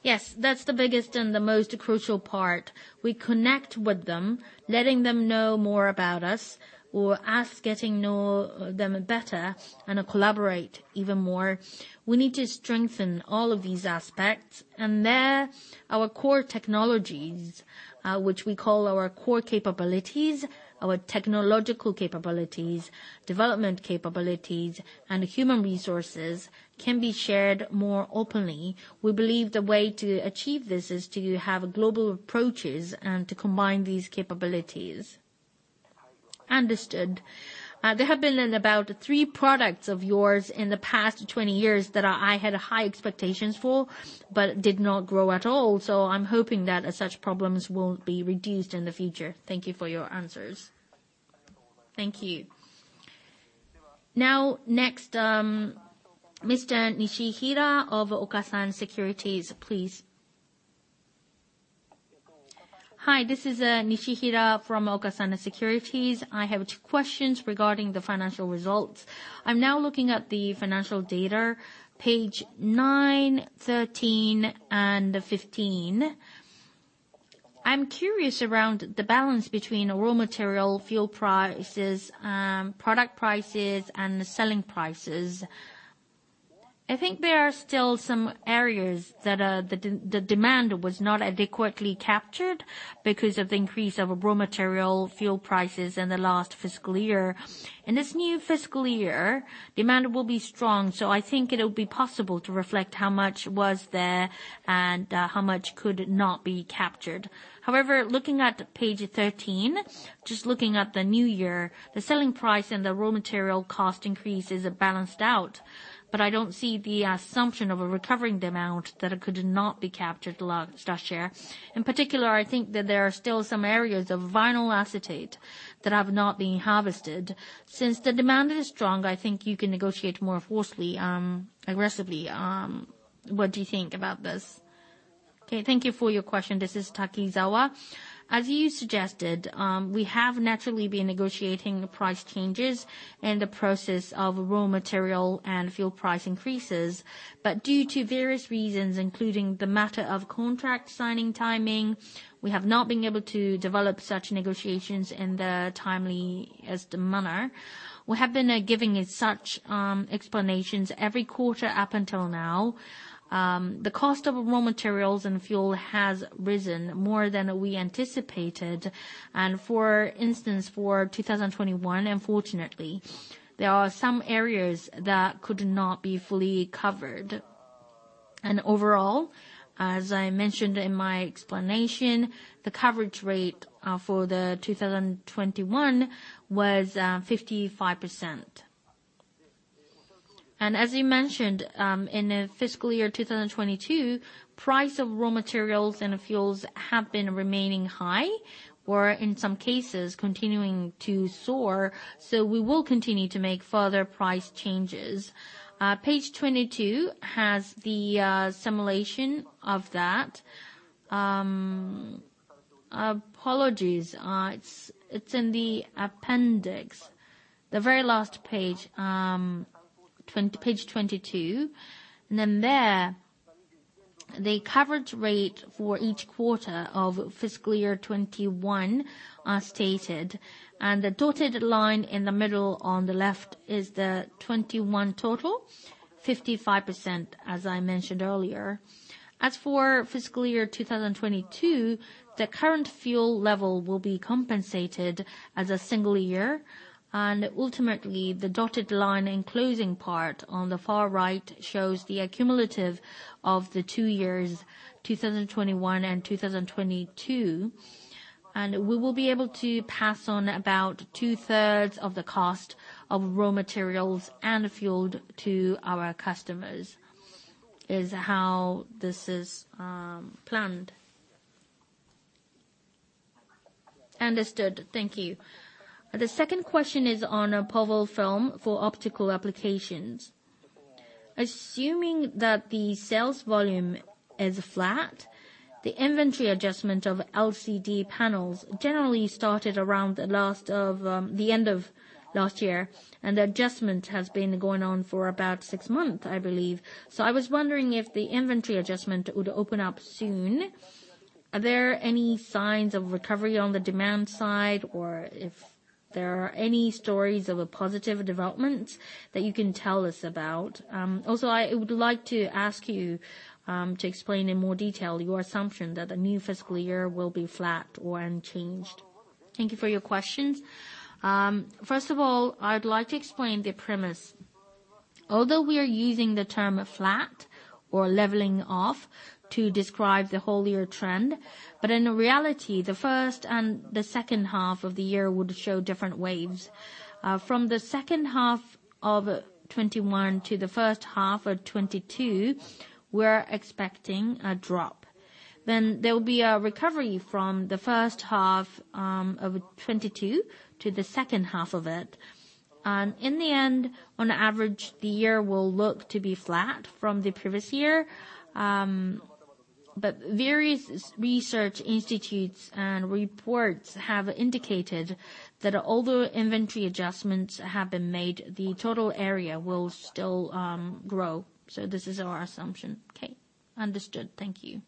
Yes. That's the biggest and the most crucial part. We connect with them, letting them know more about us, or us getting to know them better, and collaborate even more. We need to strengthen all of these aspects. There, our core technologies, which we call our core capabilities, our technological capabilities, development capabilities, and human resources can be shared more openly. We believe the way to achieve this is to have global approaches and to combine these capabilities. Understood. There have been about three products of yours in the past 20 years that I had high expectations for, but did not grow at all. I'm hoping that such problems will be reduced in the future. Thank you for your answers. Thank you. Now, next, Mr. Nishihira of Okasan Securities, please. Hi, this is Nishihira from Okasan Securities. I have two questions regarding the financial results. I'm now looking at the financial data, page nine, 13, and 15. I'm curious around the balance between raw material, fuel prices, product prices, and the selling prices. I think there are still some areas that the demand was not adequately captured because of the increase of raw material, fuel prices in the last fiscal year. In this new fiscal year, demand will be strong, so I think it'll be possible to reflect how much was there and how much could not be captured. However, looking at page 13, just looking at the new year, the selling price and the raw material cost increase is balanced out. I don't see the assumption of recovering the amount that could not be captured last year. In particular, I think that there are still some areas of Vinyl Acetate that have not been harvested. Since the demand is strong, I think you can negotiate more forcefully, aggressively. What do you think about this? Okay, thank you for your question. This is Takizawa. As you suggested, we have naturally been negotiating price changes in the process of raw material and fuel price increases. But due to various reasons, including the matter of contract signing timing, we have not been able to develop such negotiations in a timely manner. We have been giving such explanations every quarter up until now. The cost of raw materials and fuel has risen more than we anticipated. For instance, for 2021, unfortunately, there are some areas that could not be fully covered. Overall, as I mentioned in my explanation, the coverage rate for 2021 was 55%. As you mentioned, in the fiscal year 2022, price of raw materials and fuels remained high or in some cases continuing to soar. We will continue to make further price changes. Page 22 has the simulation of that. It's in the appendix, the very last page 22. There, the coverage rate for each quarter of fiscal year 2021 are stated, and the dotted line in the middle on the left is the 2021 total, 55% as I mentioned earlier. As for fiscal year 2022, the current fuel level will be compensated as a single year, and ultimately the dotted line in closing part on the far right shows the accumulation of the two years, 2021 and 2022. We will be able to pass on about 2/3 of the cost of raw materials and fuel to our customers, is how this is planned. Understood. Thank you. The second question is on POVAL film for optical applications. Assuming that the sales volume is flat, the inventory adjustment of LCD panels generally started around the end of last year, and the adjustment has been going on for about six months, I believe. I was wondering if the inventory adjustment would open up soon. Are there any signs of recovery on the demand side, or if there are any stories of a positive development that you can tell us about? Also, I would like to ask you to explain in more detail your assumption that the new fiscal year will be flat or unchanged. Thank you for your questions. First of all, I would like to explain the premise. Although we are using the term flat or leveling off to describe the whole year trend, but in reality, the first and the second half of the year would show different waves. From the second half of 2021 to the first half of 2022, we're expecting a drop. There will be a recovery from the first half of 2022 to the second half of it. In the end, on average, the year will look to be flat from the previous year. Various research institutes and reports have indicated that although inventory adjustments have been made, the total area will still grow. This is our assumption. Okay. Understood. Thank you.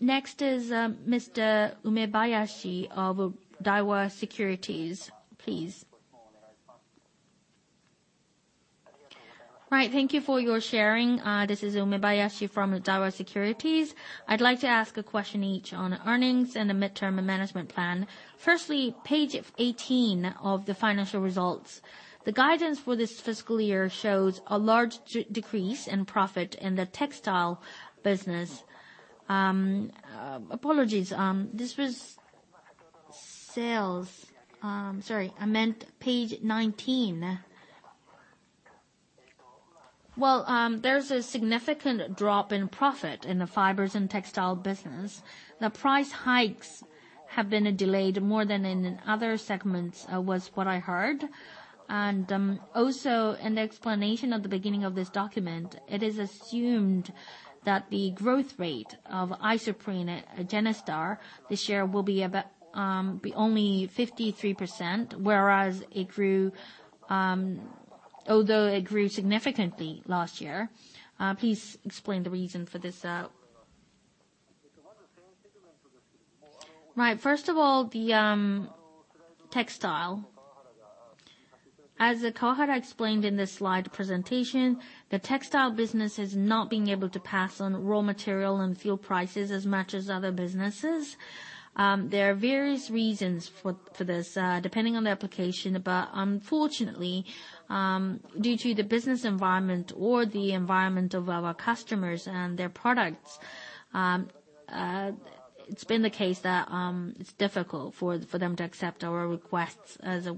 Next is Mr. Umebayashi of Daiwa Securities, please. Thank you for your sharing. This is Umebayashi from Daiwa Securities. I'd like to ask a question on earnings and the midterm and management plan. Firstly, page 18 of the financial results. The guidance for this fiscal year shows a large decrease in profit in the Textiles business. Apologies, this was sales. Sorry, I meant page 19. Well, there's a significant drop in profit in the Fibers and Textiles business. The price hikes have been delayed more than in other segments, was what I heard. Also an explanation at the beginning of this document, it is assumed that the growth rate of Isoprene, GENESTAR this year will be about only 53%, whereas, although it grew significantly last year. Please explain the reason for this. Right. First of all, the textile. As Kawahara explained in this slide presentation, the Textiles business has not been able to pass on raw material and fuel prices as much as other businesses. There are various reasons for this, depending on the application. Unfortunately, due to the business environment or the environment of our customers and their products, it's been the case that it's difficult for them to accept our requests as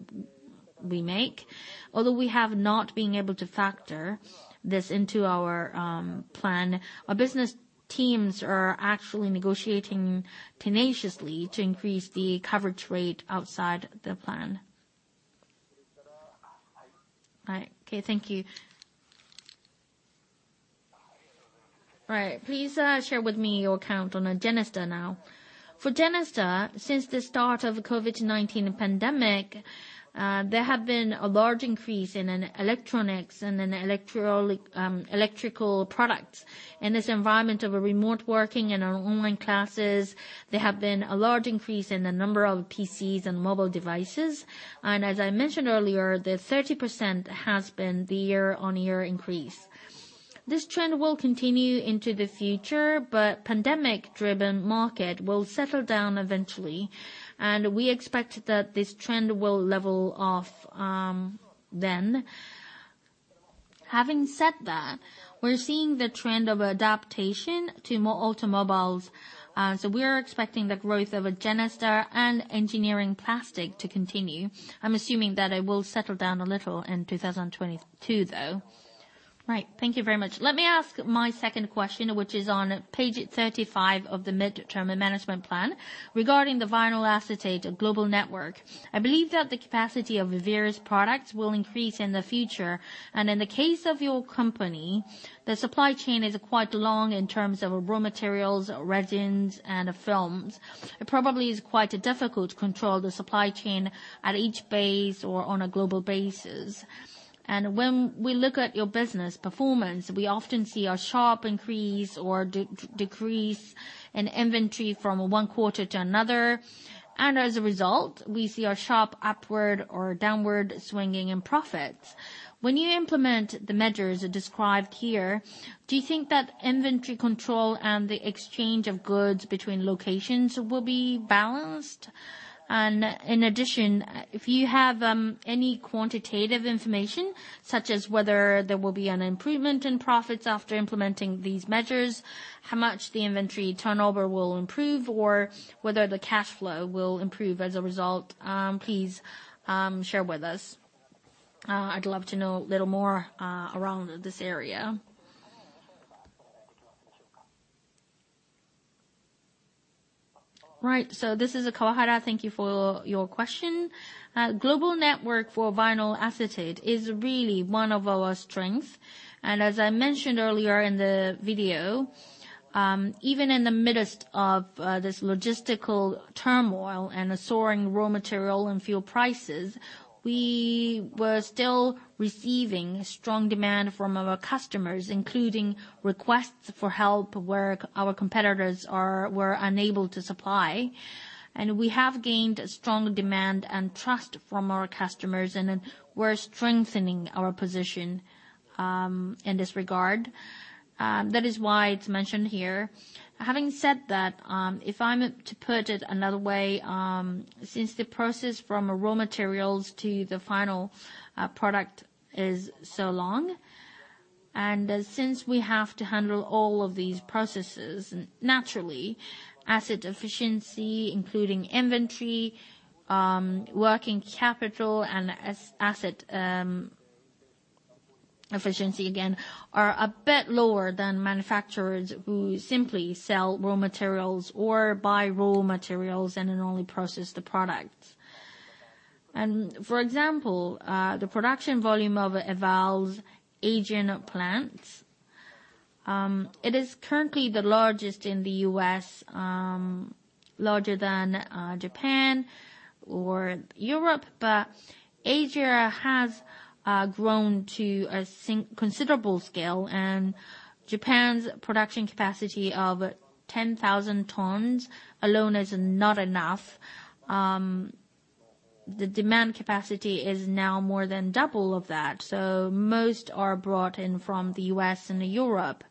we make. Although we have not been able to factor this into our plan, our business teams are actually negotiating tenaciously to increase the coverage rate outside the plan. All right. Okay. Thank you. All right. Please share with me your count on GENESTAR now. For GENESTAR, since the start of the COVID-19 pandemic, there has been a large increase in electronics and electrical products. In this environment of remote working and online classes, there has been a large increase in the number of PCs and mobile devices. As I mentioned earlier, the 30% has been the year-on-year increase. This trend will continue into the future, but pandemic-driven market will settle down eventually, and we expect that this trend will level off then. Having said that, we're seeing the trend of adaptation to more automobiles, so we are expecting the growth of GENESTAR and engineering plastic to continue. I'm assuming that it will settle down a little in 2022, though. Right. Thank you very much. Let me ask my second question, which is on page 35 of the medium-term management plan regarding the vinyl acetate global network. I believe that the capacity of various products will increase in the future, and in the case of your company, the supply chain is quite long in terms of raw materials, resins, and films. It probably is quite difficult to control the supply chain at each base or on a global basis. When we look at your business performance, we often see a sharp increase or decrease in inventory from one quarter to another. As a result, we see a sharp upward or downward swing in profits. When you implement the measures described here, do you think that inventory control and the exchange of goods between locations will be balanced? In addition, if you have any quantitative information, such as whether there will be an improvement in profits after implementing these measures, how much the inventory turnover will improve, or whether the cash flow will improve as a result, please share it with us. I'd love to know a little more around this area. Right. This is Kawahara. Thank you for your question. The global network for vinyl acetate is really one of our strengths. As I mentioned earlier in the video, even in the midst of this logistical turmoil and soaring raw material and fuel prices, we were still receiving strong demand from our customers, including requests for help where our competitors were unable to supply. We have gained strong demand and trust from our customers, and then we're strengthening our position in this regard. That is why it's mentioned here. Having said that, if I'm to put it another way, since the process from raw materials to the final product is so long, and since we have to handle all of these processes, naturally, asset efficiency, including inventory, working capital, and asset efficiency, again, are a bit lower than manufacturers who simply sell raw materials or buy raw materials and then only process the products. For example, the production volume of EVAL's existing plants, it is currently the largest in the U.S., larger than Japan or Europe. Asia has grown to a considerable scale, and Japan's production capacity of 10,000 tons alone is not enough. The demand capacity is now more than double that. Most are brought in from the U.S. and Europe.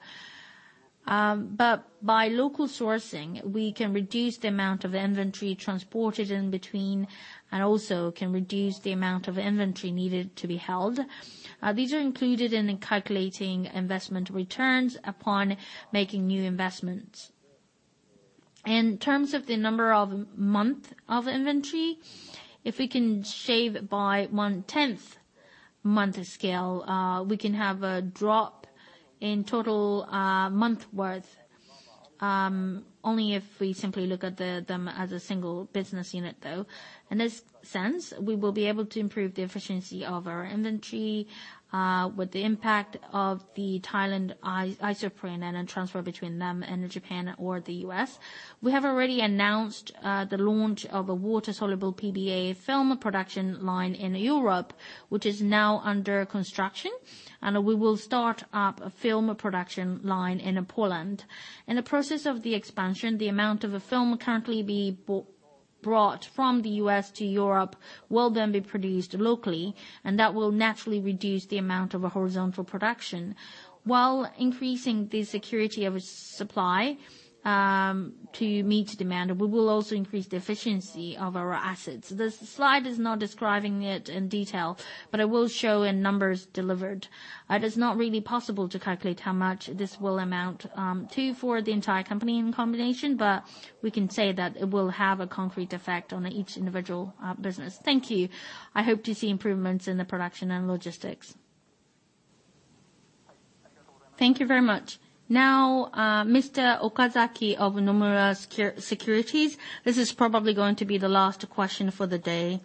By local sourcing, we can reduce the amount of inventory transported in between and also can reduce the amount of inventory needed to be held. These are included in calculating investment returns upon making new investments. In terms of the number of months of inventory, if we can shave by 1/10 month scale, we can have a drop in total months' worth, only if we simply look at them as a single business unit, though. In this sense, we will be able to improve the efficiency of our inventory with the impact of the Thailand isoprene and a transfer between them and Japan or the U.S. We have already announced the launch of a water-soluble PVA film production line in Europe, which is now under construction, and we will start up a film production line in Poland. In the process of the expansion, the amount of film currently brought from the U.S. to Europe will then be produced locally, and that will naturally reduce the amount of transportation. While increasing the security of supply to meet demand, we will also increase the efficiency of our assets. The slide is not describing it in detail, but I will show in numbers delivered. It is not really possible to calculate how much this will amount to for the entire company in combination, but we can say that it will have a concrete effect on each individual business. Thank you. I hope to see improvements in the production and logistics. Thank you very much. Now, Mr. Okazaki of Nomura Securities. This is probably going to be the last question for the day.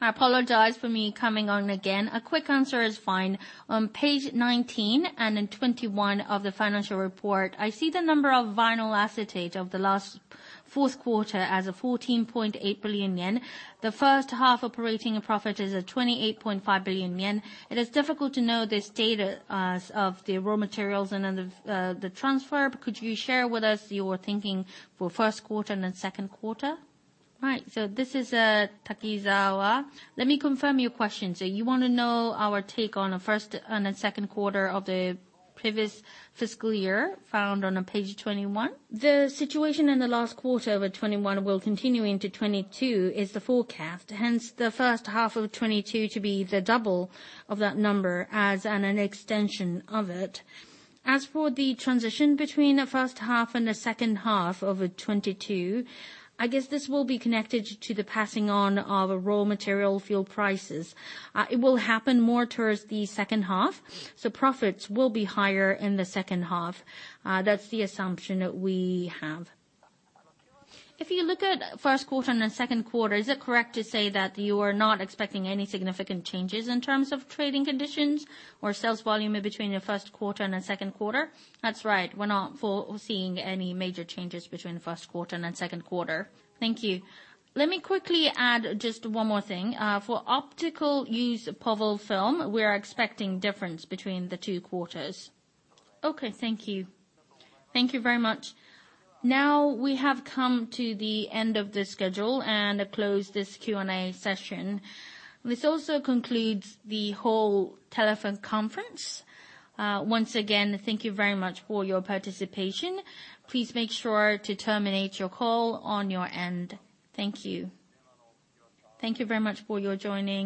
I apologize for me coming on again. A quick answer is fine. On page 19 and in 21 of the financial report, I see the number for Vinyl Acetate for the last Q4as 14.8 billion yen. The first half operating profit is at 28.5 billion yen. It is difficult to know this data as of the raw materials and then the transfer. Could you share with us your thinking for Q1 and then Q2? Right. This is Takizawa. Let me confirm your question. You wanna know our take on the Q1 and then Q2 of the previous fiscal year found on page 21? The situation in the last quarter with 2021 will continue into 2022, is the forecast. Hence, the first half of 2022 to be double of that number as an extension of it. As for the transition between the first half and the second half of 2022, I guess this will be connected to the passing on of raw material fuel prices. It will happen more towards the second half. Profits will be higher in the second half. That's the assumption we have. If you look at Q1 and then Q2, is it correct to say that you are not expecting any significant changes in terms of trading conditions or sales volume in between Q1 and Q2? That's right. We're not foreseeing any major changes between Q1 and thenQ2. Thank you. Let me quickly add just one more thing. For optical use POVAL film, we are expecting difference between the two quarters. Okay. Thank you. Thank you very much. Now we have come to the end of the schedule and close this Q&A session. This also concludes the whole telephone conference. Once again, thank you very much for your participation. Please make sure to terminate your call on your end. Thank you. Thank you very much for your joining.